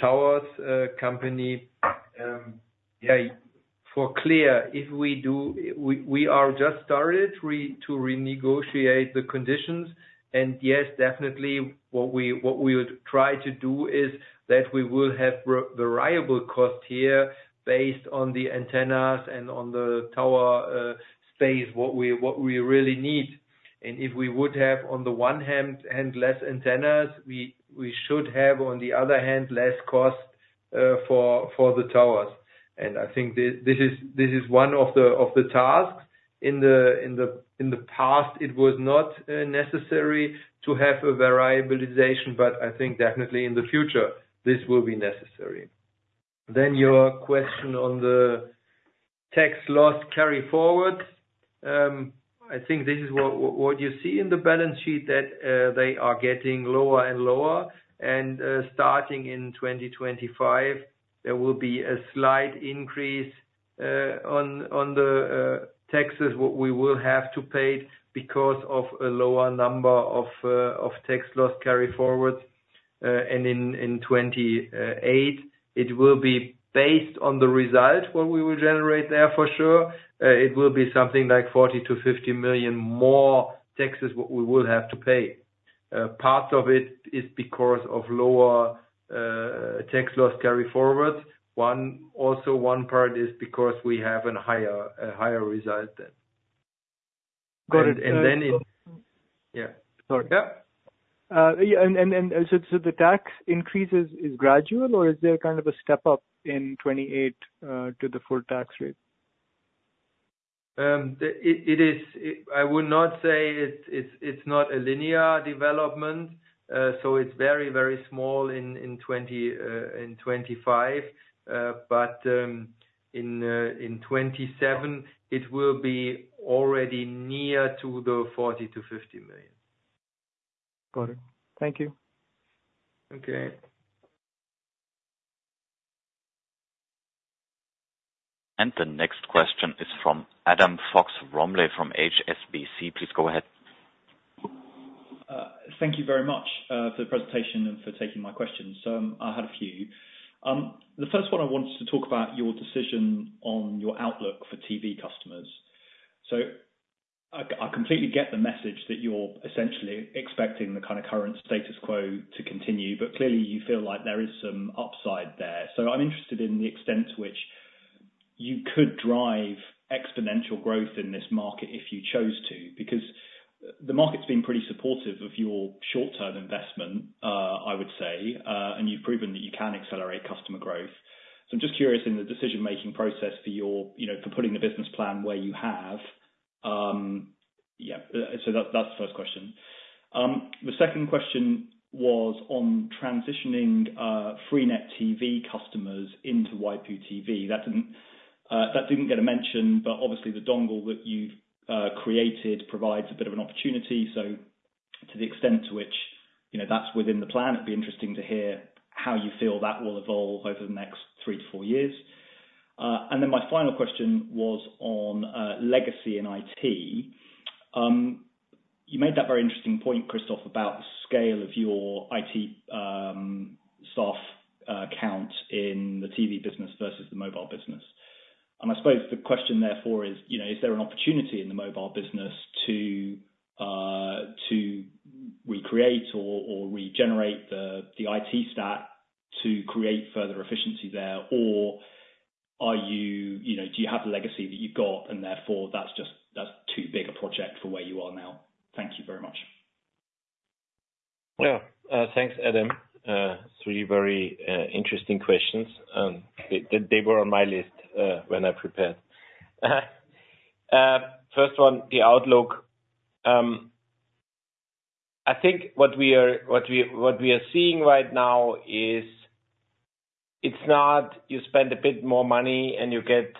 towers company. For clarity, if we do, we have just started to renegotiate the conditions. And yes, definitely what we would try to do is that we will have variable cost here based on the antennas and on the tower space what we really need. And if we would have on the one hand less antennas, we should have on the other hand less cost for the towers. million millionI think this is one of the tasks. In the past it was not necessary to have a variabilization but I think definitely in the future this will be necessary. Then your question on the tax loss carryforward. I think this is what you see in the balance sheet that they are getting lower and lower. Starting in 2025, there will be a slight increase on the taxes what we will have to pay because of a lower number of tax loss carryforwards. In 2028, it will be based on the result what we will generate there. For sure, it will be something like 40 million-50 million more taxes what we will have to pay. Part of it is because of lower tax loss carryforwards. Also one part is because we have a higher result then. Got it. And then yeah, sorry. The tax increase is gradual or is there kind of a step up in 2028 to the full tax rate? It is. I would not say it's not a linear development. So it's very, very small in 2025, but in 2027 it will be already near to the 40 million-50 million. Got it, thank you. Okay. The next question is from Adam Fox-Rumley from HSBC. Please go ahead. Thank you very much for the presentation and for taking my questions. I had a few. The first one, I wanted to talk about your decision on your outlook for TV customers. So I completely get the message that you're essentially expecting the kind of current status quo to continue, but clearly you feel like there is some upside there. So I'm interested in the extent to which you could drive exponential growth in this market if you chose to, because the market's been pretty supportive of your short term investment, I would say. And you've proven that you can accelerate customer growth. So I'm just curious in the decision making process for your, you know, for putting the business plan where you have. Yeah, so that's the first question. The second question was on transitioning Freenet TV customers into Waipu.tv that didn't get a mention. But obviously the dongle that you've created provides a bit of an opportunity. So, to the extent to which you. No, that's within the plan. It'd be interesting to hear how you feel that will evolve over the next three to four years. And then my final question was on legacy. In it you made that very interesting point, Christoph, about the scale of your IT staff count in the TV business versus the mobile business. And I suppose the question therefore is, is there an opportunity in the mobile business to recreate or regenerate the IT stack to create further efficiency there, or do you have legacy that you've got and therefore that's too big a project for where you are now. Thank you very much. Well, thanks Adam. Three very interesting questions. They were on my list when I prepared. First one, the outlook. I think what we are seeing right now is it's not you spend a bit more money and you get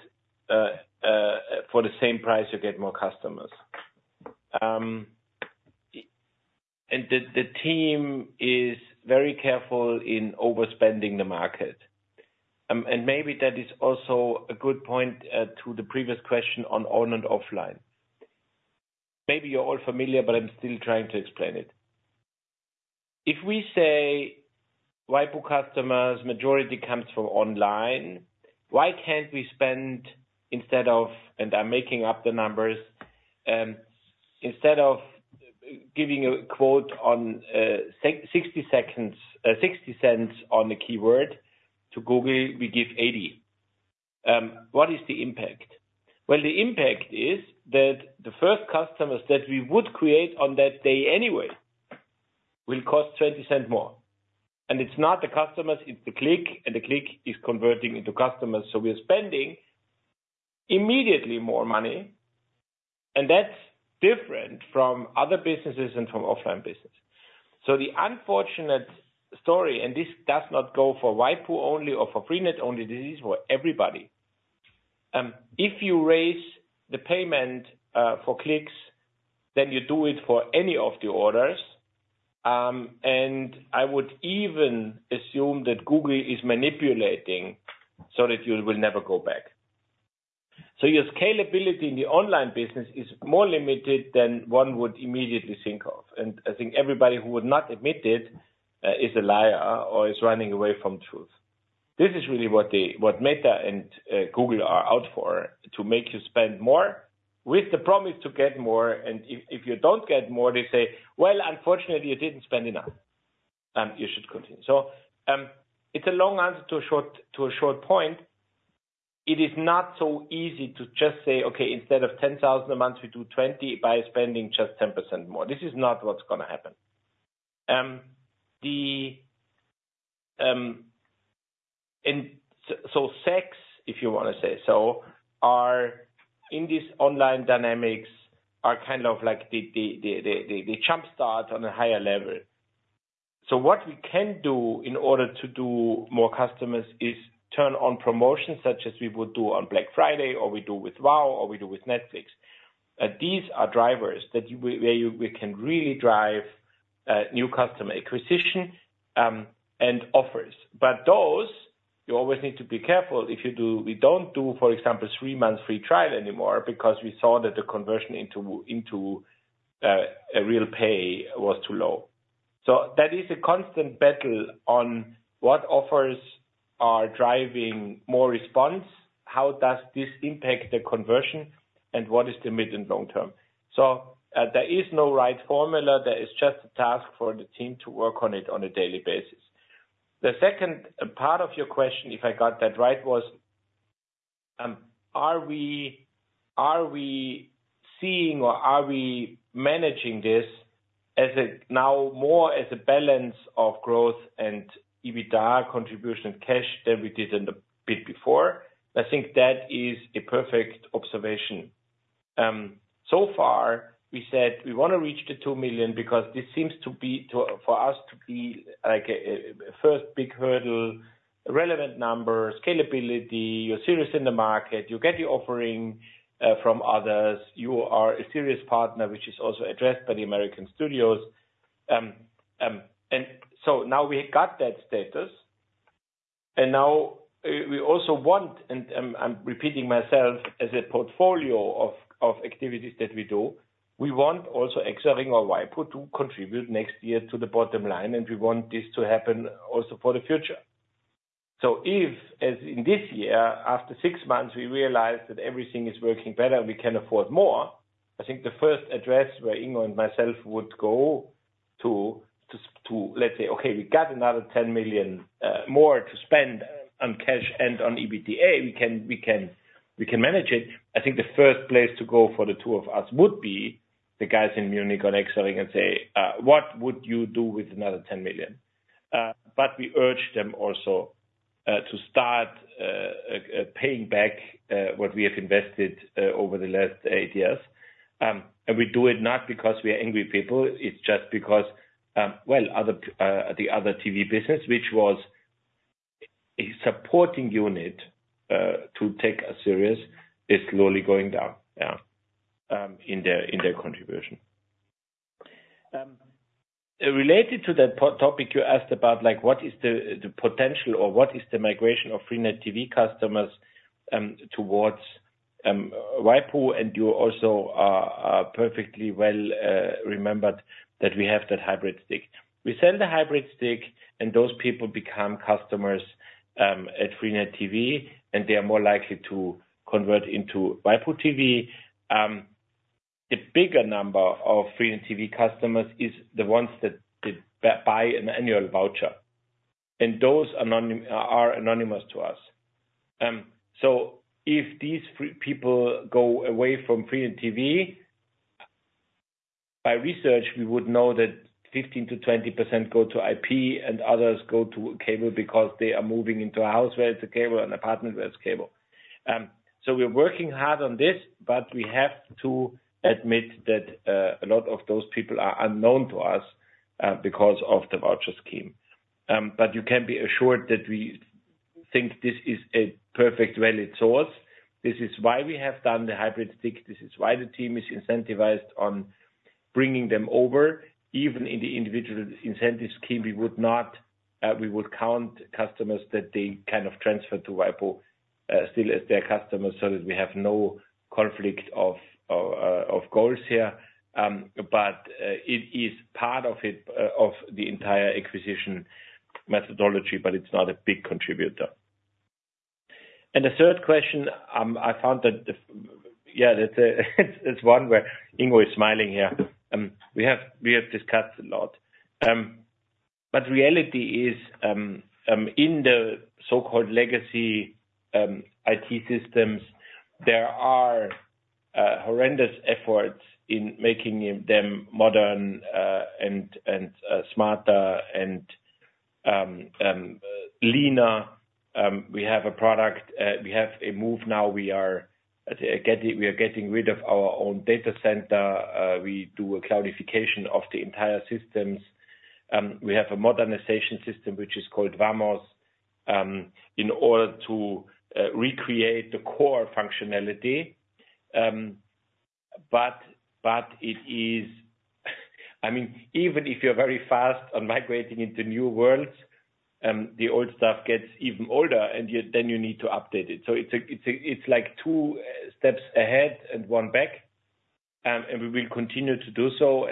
for the same price, you get more customers. And the team is very careful in overspending the market. And maybe that is also a good point to the previous question on online and offline. Maybe you're all familiar, but I'm still trying to explain it. If we say Waipu customers majority comes from online, why can't we spend? And I'm making up the numbers. Instead of giving a quote on 60 seconds, 0.60 on the keyword to Google, we give 0.80. What is the impact? The impact is that the first customers that we would create on that day anyway will cost 0.20 more. And it's not the customers, it's the click. And the click is converting into customers. So we are spending immediately more money. And that's different from other businesses and from offline business. So the unfortunate and this does not go for Waipu only or for Freenet only. This is for everybody. If you raise the payment for clicks then you do it for any of the orders. And I would even assume that Google is manipulating so that you will never go back. So your scalability in the online business is more limited than one would immediately think of. And I think everybody who would not admit it is a liar or is running away from truth. This is really what Meta and Google are out for to make you spend more with the promise to get more, and if you don't get more, they say, "well, unfortunately you didn't spend enough, you should continue," so it's a long answer to a short point. It is not so easy to just say okay, instead of 10,000 a month we do 20,000 by spending just 10% more. This is not what's going to happen, so sucks, if you want to say so, are in these online dynamics kind of like the jump start on a higher level, what we can do in order to do more customers is turn on promotions such as we would do on Black Friday or we do with WOW or we do with Netflix. These are drivers where we can really drive new customer acquisition and offers. But those, you always need to be careful if you do. We don't do, for example, three months free trial anymore because we saw that the conversion into real pay was too low. So that is a constant battle on what offers are driving more response. How does this impact the conversion and what is the mid and long term? So there is no right formula. There is just a task for the team to work on it on a daily basis. The second part of your question, if I got that right, was are we seeing or are we managing this as a now more as a balance of growth and EBITDA contribution cash than we did in the bid before? I think that is a perfect observation so far. We said we want to reach the 2 million because this seems to be for us to be like a first big hurdle, relevant number scalability. You're serious in the market, you get the offering from others, you are a serious partner which is also addressed by the American studios. Now we got that status and now we also want and I'm repeating myself. As a portfolio of activities that we do, we want also Exaring or Waipu.tv to contribute next year to the bottom line. We want this to happen also for the future. If as in this year, after six months we realize that everything is working better, we can afford more. I think the first address where Ingo and myself would go to, let's say, okay, we got another 10 million more to spend on cash and on EBITDA. We can manage it. I think the first place to go for the two of us would be the guys in Munich on Exaring and say what would you do with another 10 million? But we urge them also to start paying back what we have invested over the last eight years. And we do it not because we are angry people. It's just because, well, the other TV business, which was a supporting unit to take seriously is slowly going down in their contribution related to that topic you asked about, like what is the potential or what is the migration of Freenet TV customers towards Waipu.tv? And you also perfectly well remembered that we have that hybrid stick. We sell the hybrid stick and those people become customers at Freenet TV and they are more likely to convert into Waipu.tv. The bigger number of Freenet TV customers is the ones that buy an annual voucher and those are anonymous to us. So if these people go away from Freenet TV by research we would know that 15%-20% go to IP and others go to cable because they are moving into a house where it's a cable and apartment where it's cable. So we're working hard on this. But we have to admit that a lot of those people are unknown to us because of the voucher scheme. But you can be assured that we think this is a perfect valid source. This is why we have done the hybrid stick. This is why the team is incentivized on bringing them over. Even in the individual incentive scheme, we would not count customers that they kind of transfer to Waipu.tv still as their customers. So that we have no conflict of goals here. But it is part of it, of the entire acquisition methodology. But it's not a big contributor. And the third question I found that yeah, it's one where Ingo is smiling here. We have discussed a lot, but reality is in the so-called legacy IT systems there are horrendous efforts in making them modern and smarter and leaner. We have a product. We have a Move now. We are getting rid of our own data center. We do a cloudification of the entire systems. We have a modernization system which is called VAMOS, in order to recreate the core functionality. But it is, I mean, even if you're very fast on migrating into new worlds, the old stuff gets even older and then you need to update it. It's like two steps ahead and one back, and we will continue to do so.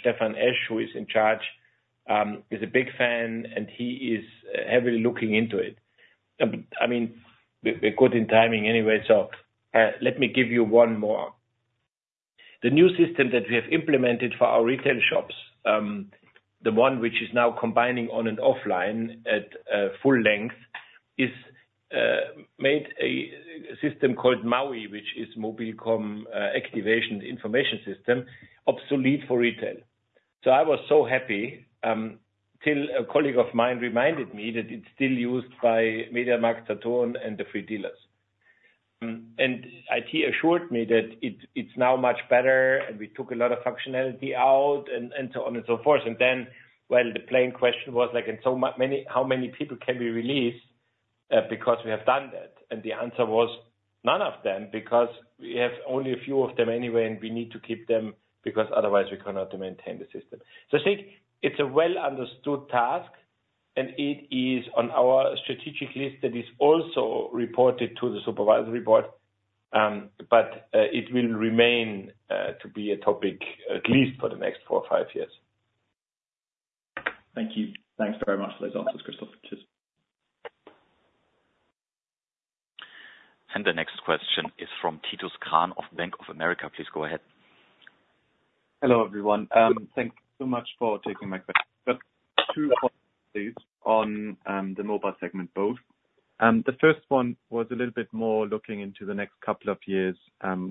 Stefan Esch, who is in charge, is a big fan, and he is heavily looking into it. I mean, we're good in timing anyway, so let me give you one more. The new system that we have implemented for our retail shops, the one which is now combining on and offline at full length, is made a system called MAUI, which is Mobilcom Activation User Interface, obsolete for retail. So I was so happy till a colleague of mine reminded me that it's still used by MediaMarkt and the Freenet dealers, and it assured me that it's now much better. And we took a lot of functionality out and so on and so forth. Then, well, the plain question was like, how many people can we release? Because we have done that. And the answer was none of them because we have only a few of them anyway and we need to keep them because otherwise we cannot maintain the system. So I think it's a well understood task and it is on our strategic list that is also reported to the supervisory board, but it will remain to be a topic at least for the next four or five years. Thank you. Thanks very much for these offices, Christoph. The next question is from Titus Krahn of Bank of America. Please go ahead. Hello everyone. Thanks so much for taking my question. On the mobile segment. Both the first one was a little bit more looking into the next couple of years,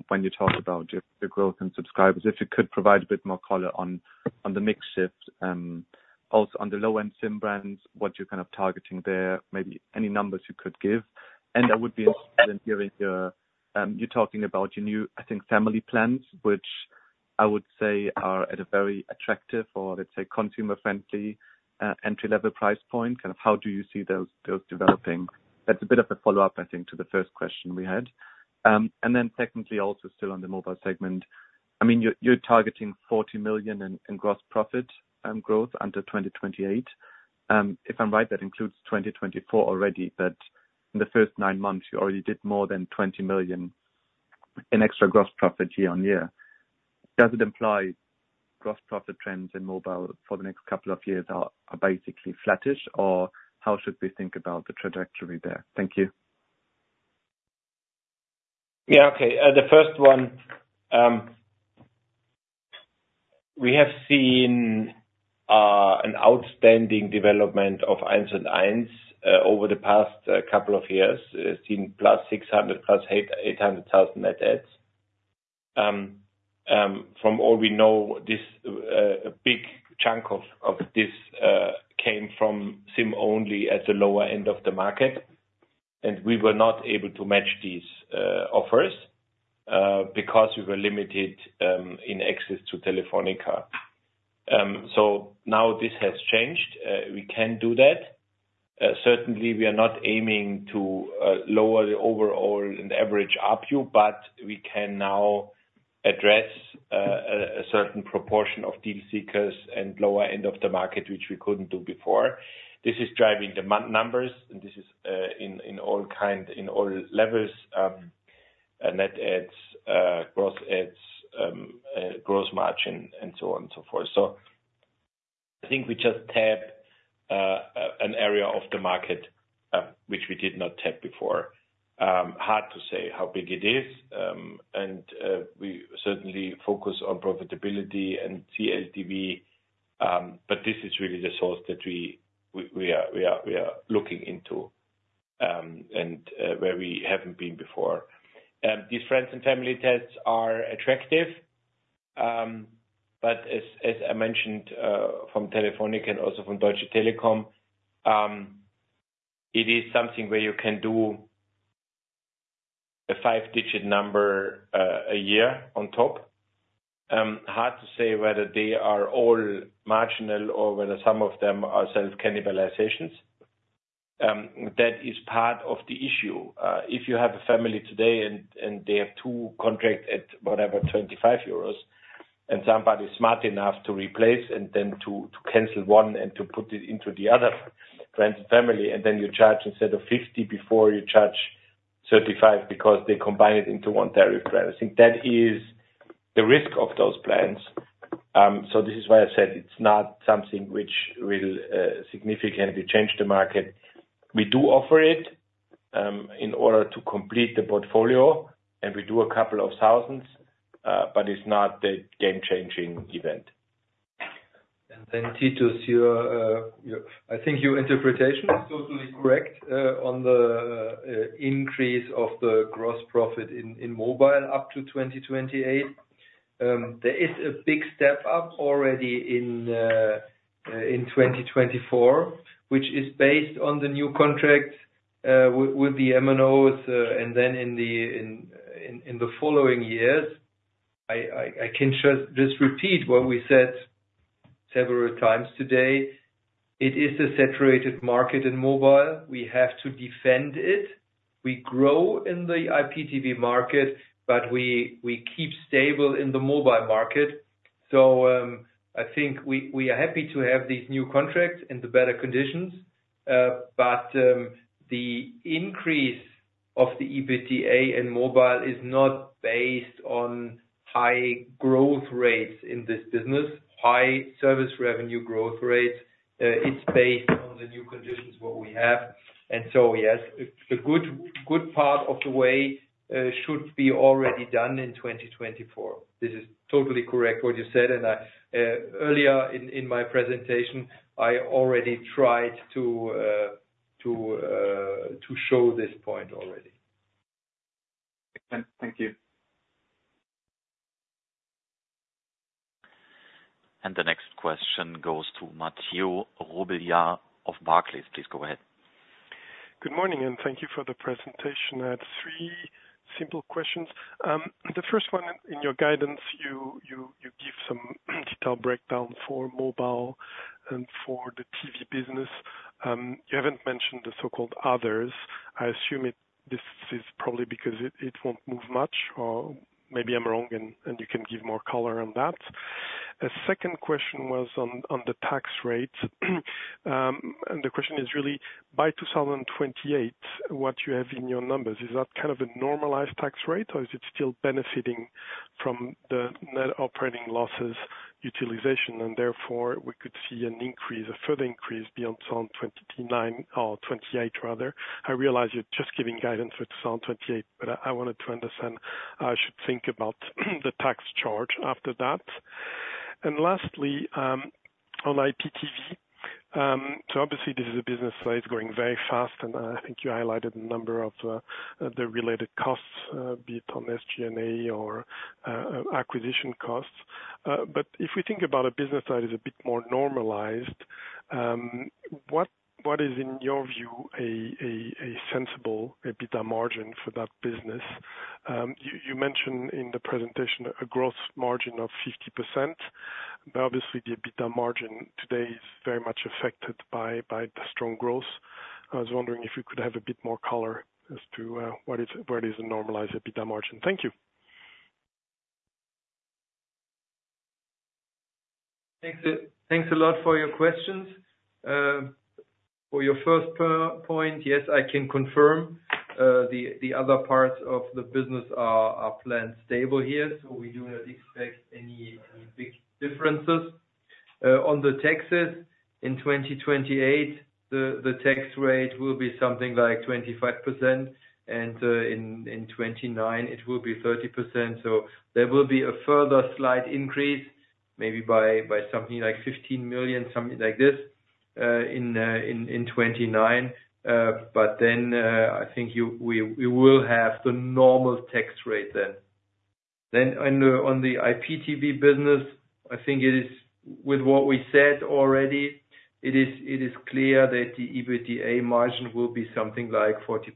when you talk about the growth in subscribers, if it could provide a bit more color on the mix shift, also on the low end SIM brands, what you're kind of targeting there, maybe any numbers you could give and I would be interested in hearing your. You're talking about your new, I think family plans, which I would say are at a very attractive or let's say consumer friendly entry level price point kind of. How do you see those developing? That's a bit of a follow up, I think to the first question we had. And then secondly also still on the mobile segment, I mean you're targeting 40 million in gross profit growth until 2028. If I'm right, that includes 2024 already. But in the first nine months you already did more than 20 million in. Extra gross profit year on year. Does it imply gross profit trends in mobile for the next couple of years? Are basically flattish or how should we think about the trajectory there? Thank you. Yeah. Okay, the first one. We have seen an outstanding development of 1&1's over the past couple of years since +600 +800,000 net adds. From all we know, this big chunk of this came from SIM-only at the lower end of the market, and we were not able to match these offers because we were limited in access to Telefónica. So now this has changed. We can do that. Certainly we are not aiming to lower the overall average ARPU, but we can now address a certain proportion of deal seekers and lower end of the market which we couldn't do before. This is driving the month numbers, and this is in all kinds, in all levels, net adds, gross adds, gross margin and so on and so forth. So I think we just tap an area of the market which we did not tap before. Hard to say how big it is. And we certainly focus on profitability and CLTV. But this is really the source that we are looking into and where we haven't been before. These friends and family tests are attractive, but as I mentioned from Telefónica and also from Deutsche Telekom, it is something where you can do a five digit number a year on top of hard to say whether they are all marginal or whether some of them are self cannibalizations. That is part of the issue. If you have a family today and they have two contracts at whatever 25 euros and somebody smart enough to replace and then to cancel one and to put it into the other friends and family and then you charge instead of 50 before you charge the. Because they combine it into one tariff plan. I think that is the risk of those plans. So this is why I said it's not something which will significantly change the market. We do offer it in order to complete the portfolio and we do a couple of thousands, but it's not a game changing event. And then, Titus, I think your interpretation is totally correct on the increase of the gross profit in mobile up to 2028. There is a big step up already in 2024, which is based on the new contract with the MNOs. And then in the following years, I can just repeat what we said several times today. It is a saturated market in mobile. We have to defend it. We grow in the IPTV market, but we keep stable in the mobile market. So I think we are happy to have these new contracts in the better conditions. But the increase of the EBITDA in mobile is not based on high growth rates in this business. High service revenue growth rates. It's based on the new conditions, what we have. And so yes, a good part of the way should be already done in 2024. This is totally correct what you said. And earlier in my presentation I already tried to show this point already. Thank you. And the next question goes to Mathieu Robilliard of Barclays. Please go ahead. Good morning and thank you for the presentation. I had three simple questions. The first one in your guidance you give some detailed breakdown for mobile and for the TV business. You haven't mentioned the so-called others. I assume that this is probably because it won't move much or maybe I'm wrong and you can give more color on that. A second question was on the tax rate and the question is really by 2028 what you have in your numbers, is that kind of a normalized tax rate or is it still benefiting from the net operating losses utilization and therefore we could see an increase, a further increase beyond 2029 or 2028 rather. I realize you're just giving guidance for 2028, but I want to understand how I should think about the tax charge after that. Lastly on IPTV, so obviously this is a business that is growing very fast and I think you highlighted a number of the related costs, be it on SG&A or acquisition costs. But if we think about a business that is a bit more normalized, what is in your view a sensible EBITDA margin for that business? You mentioned in the presentation a gross margin of 50%. Obviously the EBITDA margin today is very much affected by the strong growth. I was wondering if you could have a bit more color as to what is the normalized EBITDA margin. Thank you. Thanks a lot for your questions. For your first point, yes, I can confirm the other parts of the business are planned stable here. So we do not expect any big differences on the taxes. In 2028 the tax rate will be something like 25% and in 2029 it will be 30%. So there will be a further slight increase, maybe by something like 15 million, something like this in 2029. But then I think we will have the normal tax rate then. Then on the IPTV business, I think it is with what we said already, it is clear that the EBITDA margin will be something like 40%.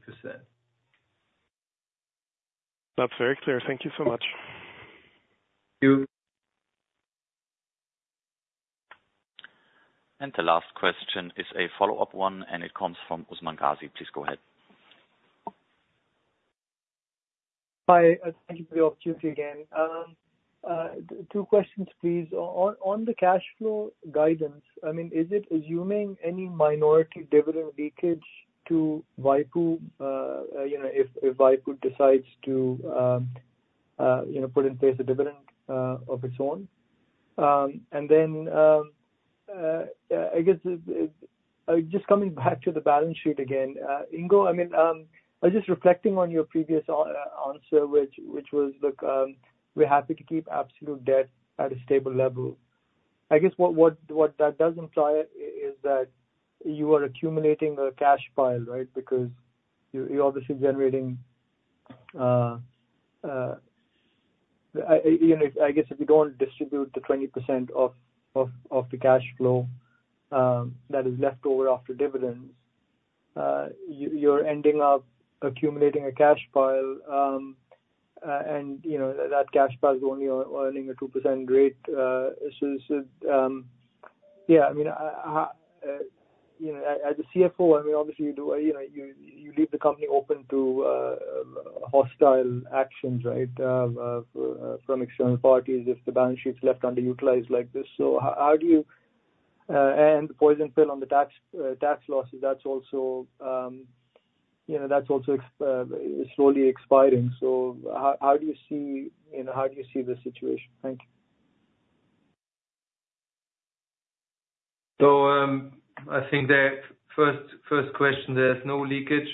That's very clear. Thank you so much. The last question is a follow-up one and it comes from Usman Ghazi. Please go ahead. Hi, thank you for the opportunity again. Two questions, please, on the cash flow guidance. I mean, is it assuming any minority dividend leakage to Waipu, you know, if Waipu decides to, you know, put in place a dividend of its own. And then. I guess just coming back to the balance sheet again. Ingo, I mean I was just reflecting on your previous answer, which was, look, we're happy to keep absolute debt at a stable level. I guess what that does imply is that you are accumulating a cash pile, right? Because you're obviously generating, I guess if you don't distribute the 20% of the cash flow that is left over after dividends, you're ending up accumulating a cash pile. And you know that cash pile is only earning a 2% rate. Yeah, I mean. As a CFO, I. mean, obviously you do, you know, you leave the company open to hostile actions, right? From external parties if the balance sheets left underutilized like this. So how do you. And poison pill on the tax losses, that's also, you know, that's also slowly expiring. So how do you see, you know, how do you see the situation? Thank you. So, I think that first question, there's no leakage.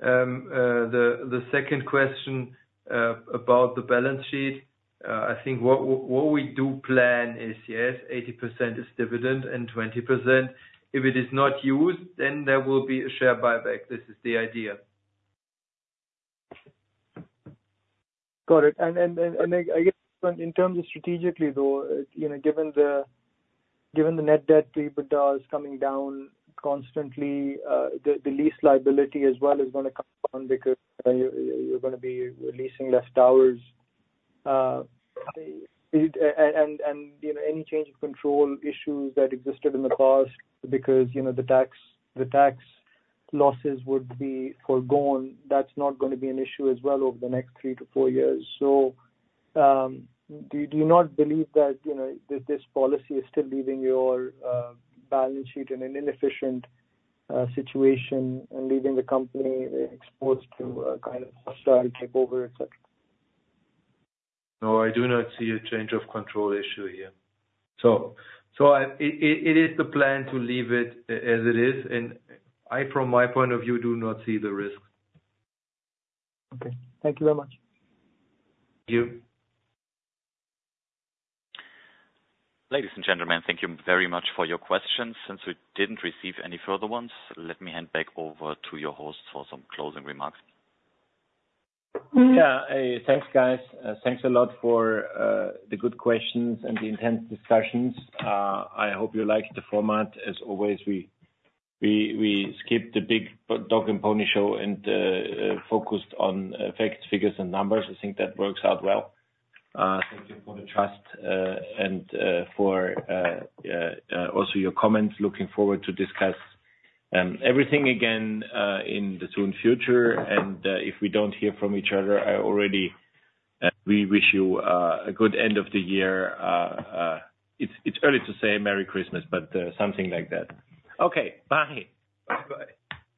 The second question about the balance sheet, I think what we do plan is, yes, 80% is dividend and 20% if it is not used, then there will be a share buyback. This is the idea. Got it. And I guess in terms of strategically though, given the net debt to EBITDA is coming down constantly, the lease liability as well is going to come down because you're going to be leasing fewer towers and you know, any change of control issues that existed in the past because you know, the tax, the tax losses would be foregone, that's not going to be an issue as well over the next three to four years. So do you not believe that, you know, this policy is still leaving your balance sheet in an inefficient situation and leaving the company exposed to a kind of hostile takeover, etc. No, I do not see a change of control issue here. So it is the plan to leave it as it is and I, from my point of view, do not see the risks. Okay, thank you very much. Thank you. Ladies and gentlemen, thank you very much for your questions. Since we didn't receive any further ones, let me hand back over to your host for some closing remarks. Yeah, thanks guys. Thanks a lot for the good questions and the intense discussions. I hope you like the format. As always, we skipped the big dog and pony show and focused on facts, figures and numbers. I think that works out well. Thank you for the trust and for also your comments. Looking forward to discuss everything again in the soon future. And if we don't hear from each other, I already. We wish you a good end of the year. It's early to say Merry Christmas, but something like that. Okay, bye. Bye.